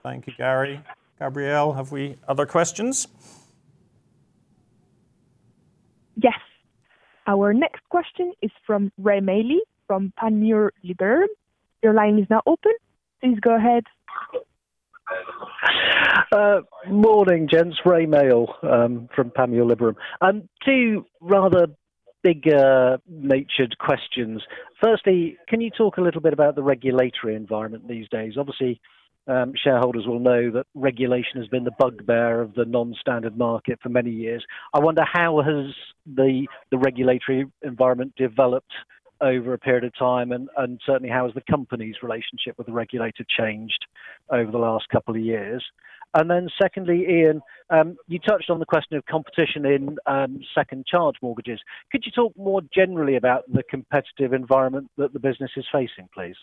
Thank you, Gary. Gabrielle, have we other questions? Yes. Our next question is from Rae Maile from Panmure Liberum. Your line is now open. Please go ahead. Morning, gents. Rae Maile from Panmure Liberum. Two rather bigger natured questions. Firstly, can you talk a little bit about the regulatory environment these days? Obviously, shareholders will know that regulation has been the bugbear of the non-standard market for many years. I wonder, how has the regulatory environment developed over a period of time, and certainly, how has the company's relationship with the regulator changed over the last couple of years? Secondly, Ian, you touched on the question of competition in second charge mortgages. Could you talk more generally about the competitive environment that the business is facing, please?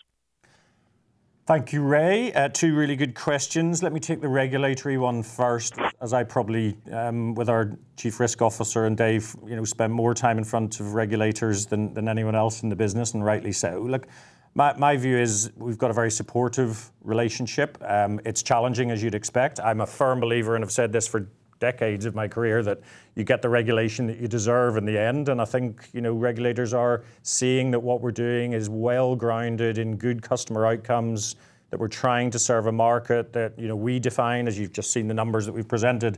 Thank you, Rae. Two really good questions. Let me take the regulatory one first, as I probably, with our chief risk officer and Dave Watts, you know, spend more time in front of regulators than anyone else in the business, and rightly so. My view is we've got a very supportive relationship. It's challenging, as you'd expect. I'm a firm believer, and I've said this for decades of my career, that you get the regulation that you deserve in the end, and I think, you know, regulators are seeing that what we're doing is well-grounded in good customer outcomes, that we're trying to serve a market, that, you know, we define, as you've just seen the numbers that we've presented,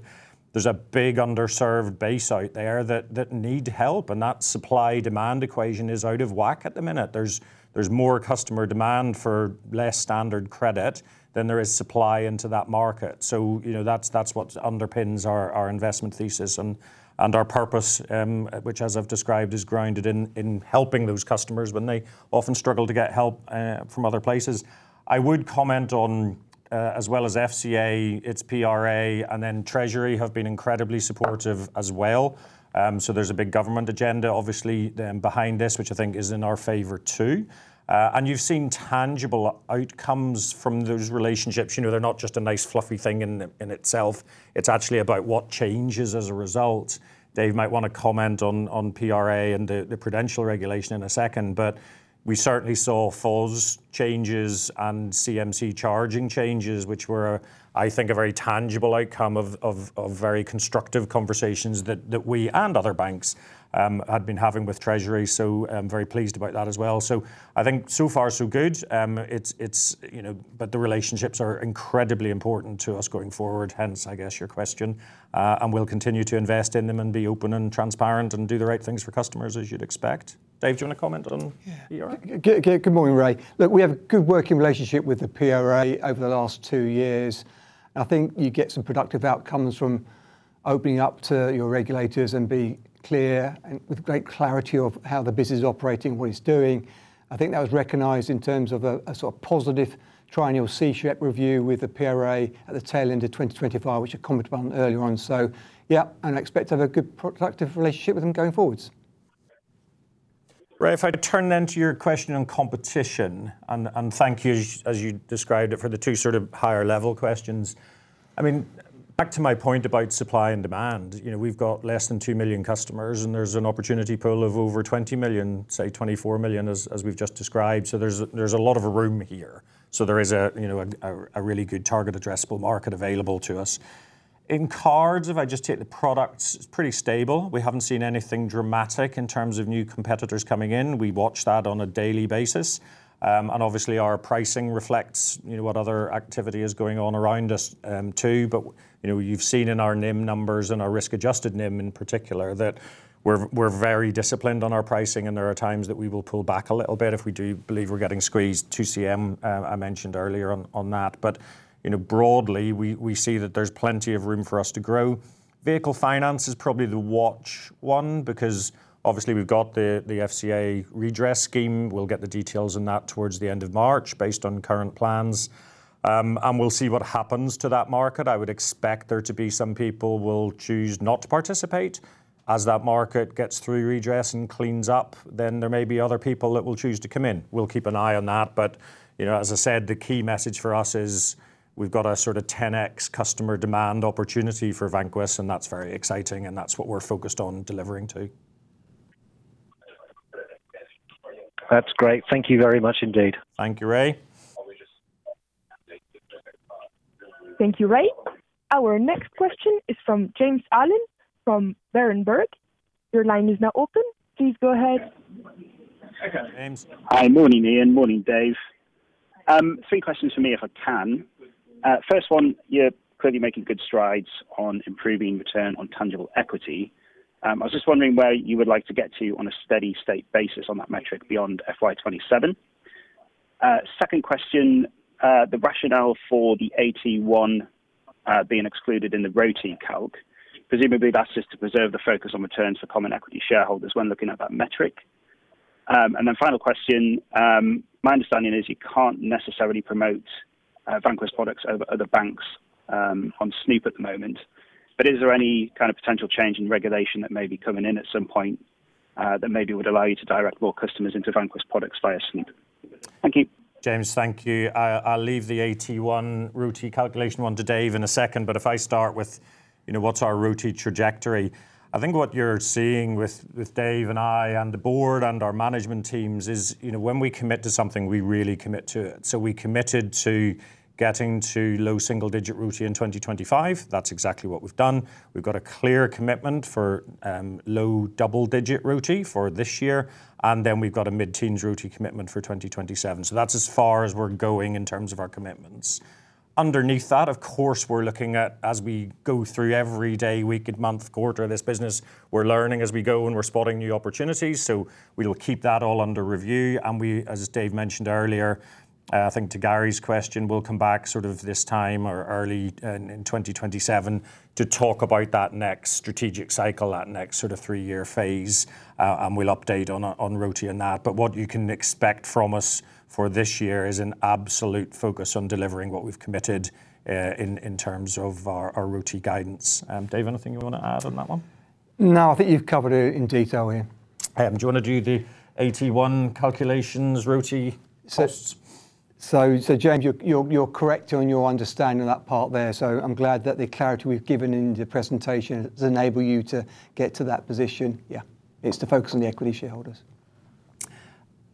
there's a big underserved base out there that need help, and that supply-demand equation is out of whack at the minute. There's more customer demand for less standard credit than there is supply into that market. You know, that's what underpins our investment thesis and our purpose, which, as I've described, is grounded in helping those customers when they often struggle to get help from other places. I would comment on as well as FCA, its PRA, Treasury have been incredibly supportive as well. There's a big government agenda, obviously, then behind this, which I think is in our favor, too. You've seen tangible outcomes from those relationships. You know, they're not just a nice, fluffy thing in itself, it's actually about what changes as a result. Dave might want to comment on PRA and the Prudential regulation in a second, but we certainly saw FOS changes and CMC charging changes, which were, I think, a very tangible outcome of very constructive conversations that we and other banks had been having with Treasury. I'm very pleased about that as well. I think so far, so good. You know, the relationships are incredibly important to us going forward, hence, I guess, your question. We'll continue to invest in them and be open and transparent, and do the right things for customers, as you'd expect. Dave, do you want to comment on PRA? Good morning, Rae. Look, we have a good working relationship with the PRA over the last 2 years. I think you get some productive outcomes from opening up to your regulators and being clear, and with great clarity of how the business is operating, what it's doing. I think that was recognized in terms of a sort of positive triennial CSREP review with the PRA at the tail end of 2025, which I commented on earlier on. Yeah, and I expect to have a good, productive relationship with them going forwards. Rae, if I turn to your question on competition, and thank you, as you described it, for the two sort of higher level questions. I mean, back to my point about supply and demand. You know, we've got less than 2 million customers, and there's an opportunity pool of over 20 million, say 24 million, as we've just described, so there's a lot of room here. There is a, you know, a really good target addressable market available to us. In cards, if I just take the products, it's pretty stable. We haven't seen anything dramatic in terms of new competitors coming in. We watch that on a daily basis. And obviously, our pricing reflects, you know, what other activity is going on around us, too. You know, you've seen in our NIM numbers and our risk-adjusted NIM, in particular, that we're very disciplined on our pricing, and there are times that we will pull back a little bit if we do believe we're getting squeezed. 2CM, I mentioned earlier on that. You know, broadly, we see that there's plenty of room for us to grow. Vehicle finance is probably the watch one, because obviously we've got the FCA redress scheme. We'll get the details on that towards the end of March, based on current plans, and we'll see what happens to that market. I would expect there to be some people will choose not to participate. As that market gets through redress and cleans up, then there may be other people that will choose to come in. We'll keep an eye on that, but, you know, as I said, the key message for us is we've got a sort of 10x customer demand opportunity for Vanquis, and that's very exciting, and that's what we're focused on delivering to. That's great. Thank you very much indeed. Thank you, Rae. Thank you, Rae. Our next question is from James Allen, from Berenberg. Your line is now open. Please go ahead. Hi, James. Hi. Morning, Ian. Morning, Dave. Three questions from me, if I can. First one, you're clearly making good strides on improving return on tangible equity. I was just wondering where you would like to get to on a steady state basis on that metric beyond FY 2027. Second question, the rationale for the AT1, being excluded in the ROTE calc, presumably that's just to preserve the focus on returns for common equity shareholders when looking at that metric. Final question: my understanding is you can't necessarily promote Vanquis products over other banks on Snoop at the moment, but is there any kind of potential change in regulation that may be coming in at some point that maybe would allow you to direct more customers into Vanquis products via Snoop? Thank you. James, thank you. I'll leave the AT1 ROTE calculation one to Dave in a second. If I start with, you know, what's our ROTE trajectory, I think what you're seeing with Dave and I, and the board, and our management teams is, you know, when we commit to something, we really commit to it. We committed to getting to low single-digit ROTE in 2025. That's exactly what we've done. We've got a clear commitment for low double-digit ROTE for this year, we've got a mid-teens ROTE commitment for 2027. That's as far as we're going in terms of our commitments. Underneath that, of course, we're looking at, as we go through every day, week, and month, quarter of this business, we're learning as we go, and we're spotting new opportunities, we will keep that all under review. We, as Dave mentioned earlier, I think to Gary's question, we'll come back sort of this time or early in 2027 to talk about that next strategic cycle, that next sort of 3-year phase, and we'll update on ROTE on that. What you can expect from us for this year is an absolute focus on delivering what we've committed in terms of our ROTE guidance. Dave, anything you want to add on that one? No, I think you've covered it in detail, Ian. do you want to do the AT1 calculations, ROTE costs? James, you're correct on your understanding of that part there. I'm glad that the clarity we've given in the presentation has enabled you to get to that position. Yeah, it's to focus on the equity shareholders.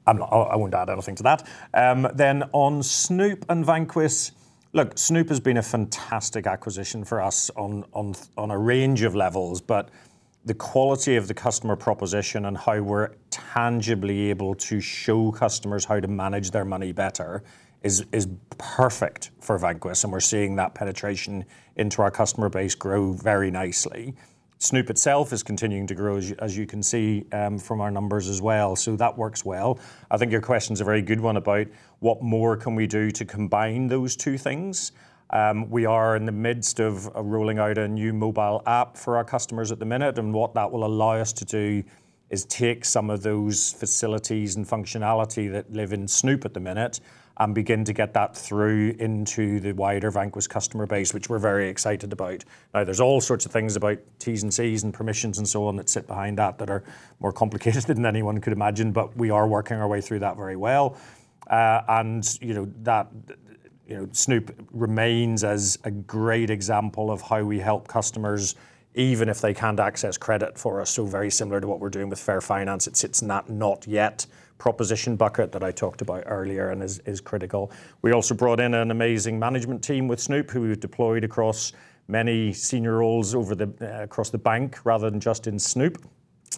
I won't add anything to that. On Snoop and Vanquis. Look, Snoop has been a fantastic acquisition for us on a range of levels, but the quality of the customer proposition and how we're tangibly able to show customers how to manage their money better is perfect for Vanquis, and we're seeing that penetration into our customer base grow very nicely. Snoop itself is continuing to grow, as you can see from our numbers as well, that works well. I think your question is a very good one about what more can we do to combine those two things. We are in the midst of rolling out a new mobile app for our customers at the minute, and what that will allow us to do is take some of those facilities and functionality that live in Snoop at the minute and begin to get that through into the wider Vanquis customer base, which we're very excited about. There's all sorts of things about T's and C's and permissions and so on, that sit behind that are more complicated than anyone could imagine, but we are working our way through that very well. You know, that, you know, Snoop remains as a great example of how we help customers, even if they can't access credit for us. Very similar to what we're doing with Fair Finance. It sits in that not yet proposition bucket that I talked about earlier and is critical. We also brought in an amazing management team with Snoop, who we've deployed across many senior roles over the across the bank, rather than just in Snoop.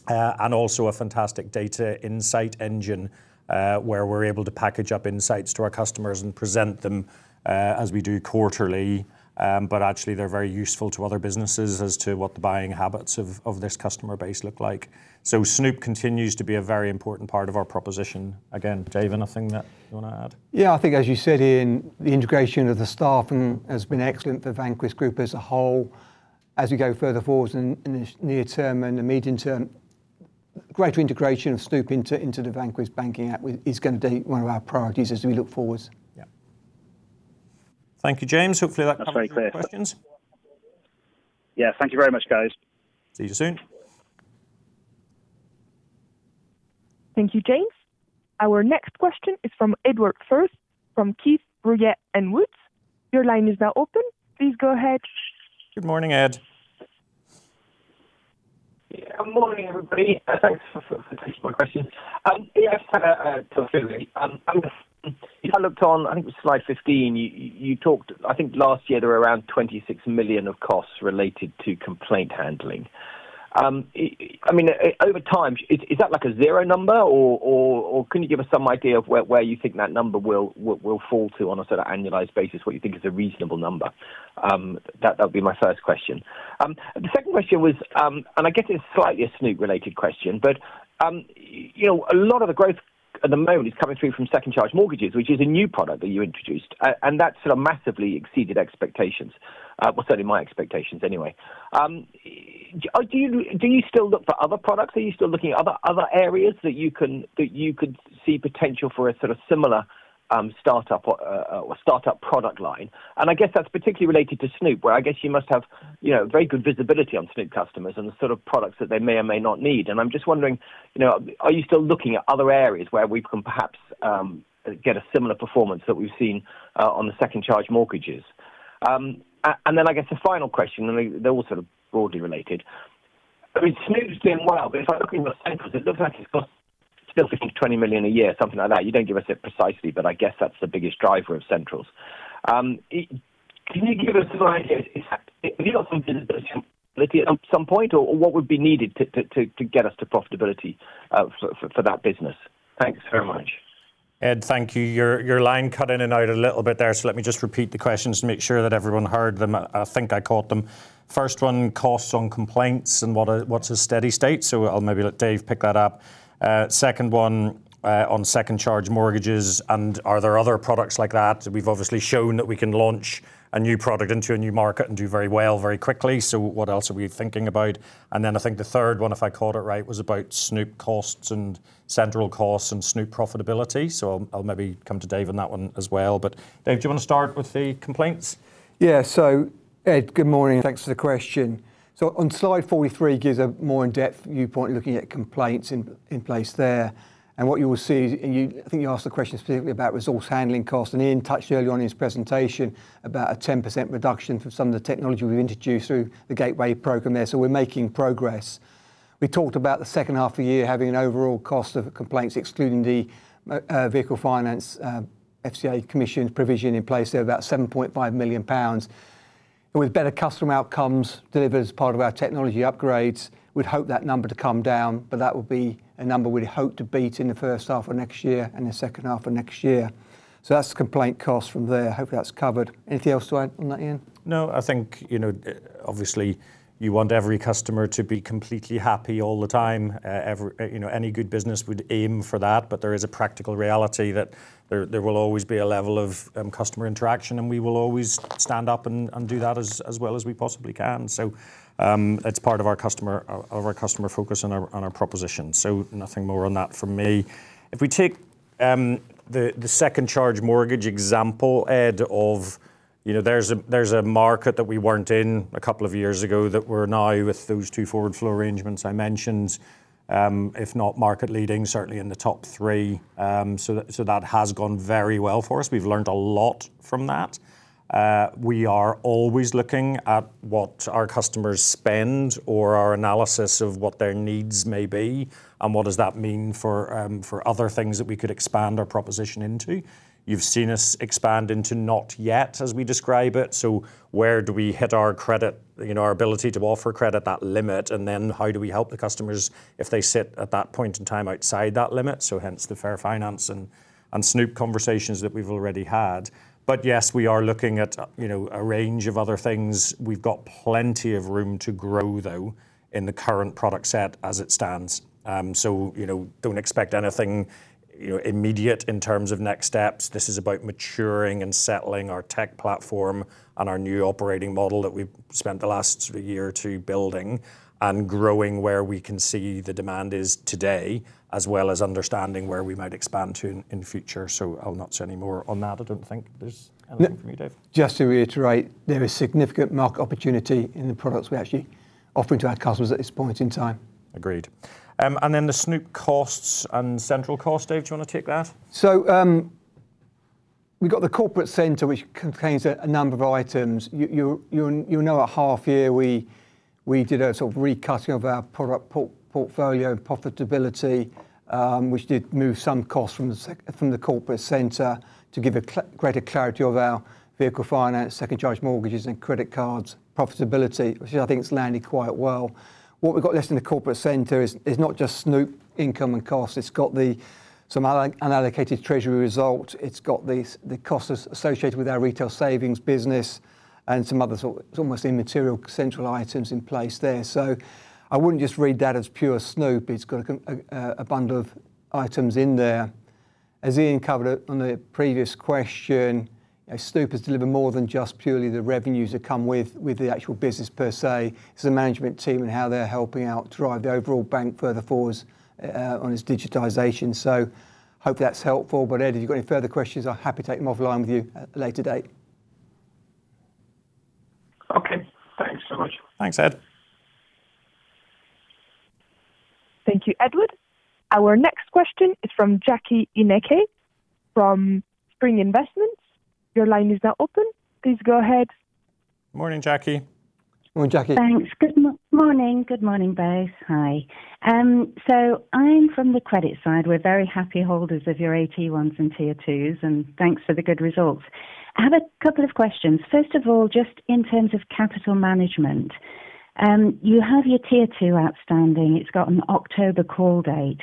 Also a fantastic data insight engine, where we're able to package up insights to our customers and present them, as we do quarterly. Actually, they're very useful to other businesses as to what the buying habits of this customer base look like. Snoop continues to be a very important part of our proposition. Again, Dave, anything that you want to add? Yeah, I think as you said, Ian, the integration of the staff has been excellent for Vanquis Group as a whole. As we go further forwards in the near term and the medium term, greater integration of Snoop into the Vanquis banking app is going to be one of our priorities as we look forwards. Yeah. Thank you, James. Hopefully, that covers your questions. That's very clear. Yeah, thank you very much, guys. See you soon. Thank you, James. Our next question is from Edward Firth, from Keefe, Bruyette & Woods. Your line is now open. Please go ahead. Good morning, Ed. Yeah, good morning, everybody, and thanks for taking my question. If I looked on, I think it was slide 15, I think last year there were around 26 million of costs related to complaint handling. I mean, over time, is that like a 0 number or can you give us some idea of where you think that number will fall to on a sort of annualized basis, what you think is a reasonable number? That'll be my first question. The second question was, and I guess it's slightly a Snoop-related question, but, you know, a lot of the growth at the moment is coming through from second charge mortgages, which is a new product that you introduced, and that sort of massively exceeded expectations, well, certainly my expectations anyway. Do you still look for other products? Are you still looking at other areas that you could see potential for a sort of similar startup or startup product line? I guess that's particularly related to Snoop, where I guess you must have, you know, very good visibility on Snoop customers and the sort of products that they may or may not need. I'm just wondering, you know, are you still looking at other areas where we can perhaps get a similar performance that we've seen on the second charge mortgages? I guess the final question, they're all sort of broadly related. I mean, Snoop's doing well, but if I look in your centrals, it looks like it costs still 50 million-20 million a year, something like that. You don't give us it precisely, but I guess that's the biggest driver of centrals. Can you give us an idea, do you have some visibility at some point, or what would be needed to get us to profitability for that business? Thanks very much. Ed, thank you. Your line cut in and out a little bit there. Let me just repeat the questions to make sure that everyone heard them. I think I caught them. First one, costs on complaints and what's a steady state? I'll maybe let Dave pick that up. Second one, on second charge mortgages, are there other products like that? We've obviously shown that we can launch a new product into a new market and do very well very quickly. What else are we thinking about? I think the third one, if I caught it right, was about Snoop costs and central costs and Snoop profitability. I'll maybe come to Dave on that one as well. Dave, do you want to start with the complaints? Ed, good morning, and thanks for the question. On slide 43, it gives a more in-depth viewpoint, looking at complaints in place there. What you will see, I think you asked the question specifically about resource handling costs, and Ian touched earlier on in his presentation about a 10% reduction for some of the technology we've introduced through the Gateway program there. We're making progress. We talked about the second half of the year having an overall cost of complaints, excluding the vehicle finance, FCA commission provision in place there, about 7.5 million pounds. With better customer outcomes delivered as part of our technology upgrades, we'd hope that number to come down, but that would be a number we'd hope to beat in the first half of next year and the second half of next year. That's the complaint cost from there. Hopefully, that's covered. Anything else to add on that, Ian? I think, you know, obviously, you want every customer to be completely happy all the time. Every, you know, any good business would aim for that, but there is a practical reality that there will always be a level of customer interaction, and we will always stand up and do that as well as we possibly can. It's part of our customer focus and our proposition. Nothing more on that from me. If we take the second charge mortgage example, Ed, you know, there's a market that we weren't in 2 years ago that we're now with those 2 forward flow arrangements I mentioned, if not market leading, certainly in the top 3. That has gone very well for us. We've learned a lot from that. We are always looking at what our customers spend or our analysis of what their needs may be, and what does that mean for other things that we could expand our proposition into? You've seen us expand into not yet, as we describe it. Where do we hit our credit, you know, our ability to offer credit, that limit, and then how do we help the customers if they sit at that point in time outside that limit? Hence, the Fair Finance and Snoop conversations that we've already had. Yes, we are looking at, you know, a range of other things. We've got plenty of room to grow, though, in the current product set as it stands. You know, don't expect anything, you know, immediate in terms of next steps. This is about maturing and settling our tech platform and our new operating model that we've spent the last sort of a year or two building and growing where we can see the demand is today, as well as understanding where we might expand to in the future. I'll not say any more on that. I don't think there's anything from you, Dave. Just to reiterate, there is significant market opportunity in the products we're actually offering to our customers at this point in time. Agreed. Then the Snoop costs and central costs. Dave, do you want to take that? We've got the corporate center, which contains a number of items. You know, a half year we did a sort of recutting of our product portfolio profitability, which did move some costs from the corporate center to give greater clarity of our vehicle finance, second charge mortgages, and credit cards profitability, which I think it's landing quite well. What we've got listed in the corporate center is not just Snoop income and cost, it's got some unallocated treasury result. It's got the costs associated with our retail savings business and some other sort. It's almost immaterial central items in place there. I wouldn't just read that as pure Snoop. It's got a bundle of items in there. As Ian covered it on the previous question, as Snoop has delivered more than just purely the revenues that come with the actual business per se, it's the management team and how they're helping out drive the overall bank further forwards on its digitization. Hope that's helpful. Ed, if you've got any further questions, I'm happy to take them offline with you at a later date. Okay. Thanks so much. Thanks, Ed. Thank you, Edward. Our next question is from Jackie Ineke, from Spring Investments. Your line is now open. Please go ahead. Morning, Jackie. Morning, Jackie. Thanks. Good morning. Good morning, both. Hi. So I'm from the credit side. We're very happy holders of your AT1s and Tier 2s. Thanks for the good results. I have a couple of questions. First of all, just in terms of capital management, you have your Tier 2 outstanding. It's got an October call date.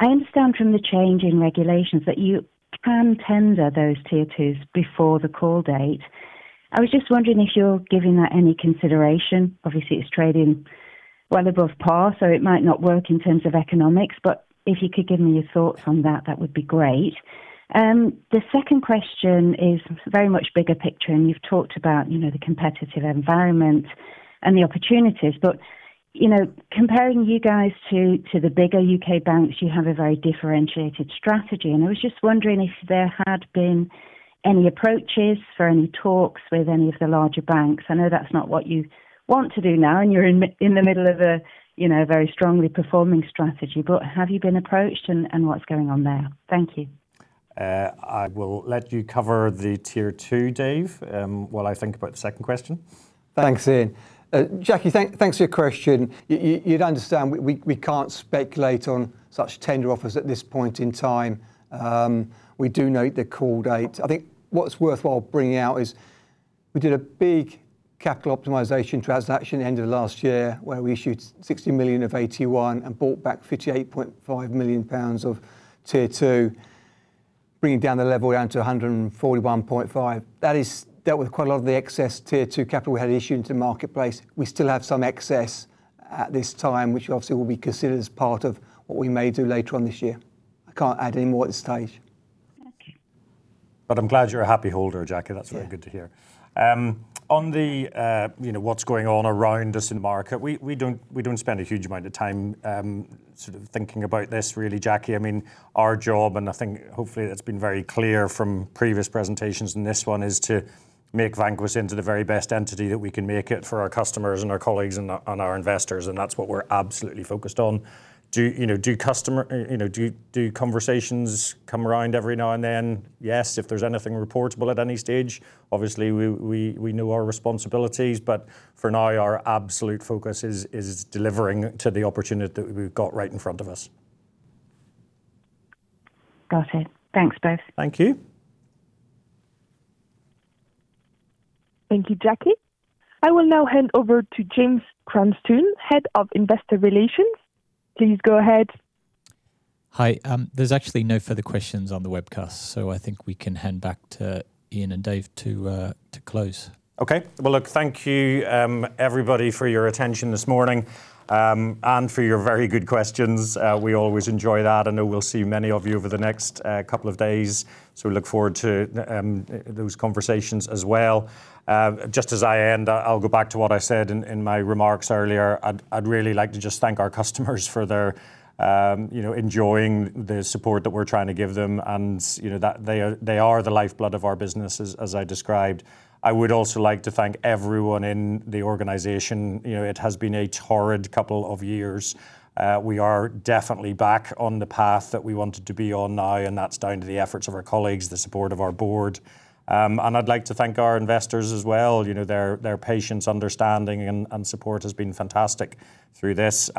I understand from the change in regulations that you can tender those Tier 2s before the call date. I was just wondering if you're giving that any consideration. Obviously, it's trading well above par, so it might not work in terms of economics. If you could give me your thoughts on that would be great. The second question is very much bigger picture. You've talked about, you know, the competitive environment and the opportunities. You know, comparing you guys to the bigger U.K. banks, you have a very differentiated strategy. I was just wondering if there had been any approaches or any talks with any of the larger banks. I know that's not what you want to do now, and you're in the middle of a, you know, very strongly performing strategy, have you been approached, and what's going on there? Thank you. I will let you cover the Tier 2, Dave, while I think about the second question. Thanks, Ian. Jackie, thanks for your question. You'd understand we can't speculate on such tender offers at this point in time. We do note the call date. I think what's worthwhile bringing out is we did a big capital optimization transaction end of last year, where we issued 60 million of AT1 and bought back 58.5 million pounds of Tier 2, bringing down the level down to 141.5. That is dealt with quite a lot of the excess Tier 2 capital we had issued into the marketplace. We still have some excess at this time, which obviously will be considered as part of what we may do later on this year. I can't add any more at this stage. Thank you. I'm glad you're a happy holder, Jackie. Yeah. That's very good to hear. On the, you know, what's going on around us in the market, we don't spend a huge amount of time sort of thinking about this really, Jackie. I mean, our job, and I think hopefully that's been very clear from previous presentations and this one, is to make Vanquis into the very best entity that we can make it for our customers and our colleagues and our investors, and that's what we're absolutely focused on. Do you know, you know, do conversations come around every now and then? Yes, if there's anything reportable at any stage, obviously, we know our responsibilities, but for now, our absolute focus is delivering to the opportunity that we've got right in front of us. Got it. Thanks, guys. Thank you. Thank you, Jackie. I will now hand over to James Cranstoun, Head of Investor Relations. Please go ahead. Hi. There's actually no further questions on the webcast, so I think we can hand back to Ian and Dave to close. Okay. Well, look, thank you, everybody, for your attention this morning, for your very good questions. We always enjoy that. I know we'll see many of you over the next couple of days. We look forward to those conversations as well. Just as I end, I'll go back to what I said in my remarks earlier. I'd really like to just thank our customers for their, you know, enjoying the support that we're trying to give them, you know, that they are, they are the lifeblood of our business, as I described. I would also like to thank everyone in the organization. You know, it has been a horrid couple of years. We are definitely back on the path that we wanted to be on now, that's down to the efforts of our colleagues, the support of our board. I'd like to thank our investors as well. You know, their patience, understanding, and support has been fantastic through this.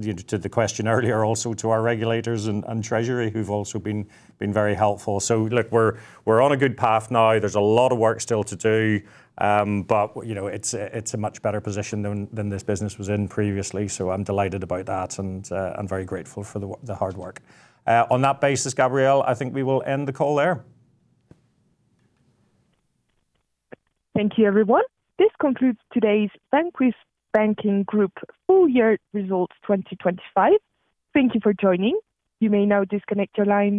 You, to the question earlier, also to our regulators and treasury, who've also been very helpful. Look, we're on a good path now. There's a lot of work still to do, you know, it's a much better position than this business was in previously, I'm delighted about that, and I'm very grateful for the hard work. On that basis, Gabrielle, I think we will end the call there. Thank you, everyone. This concludes today's Vanquis Banking Group full year results 2025. Thank you for joining. You may now disconnect your line.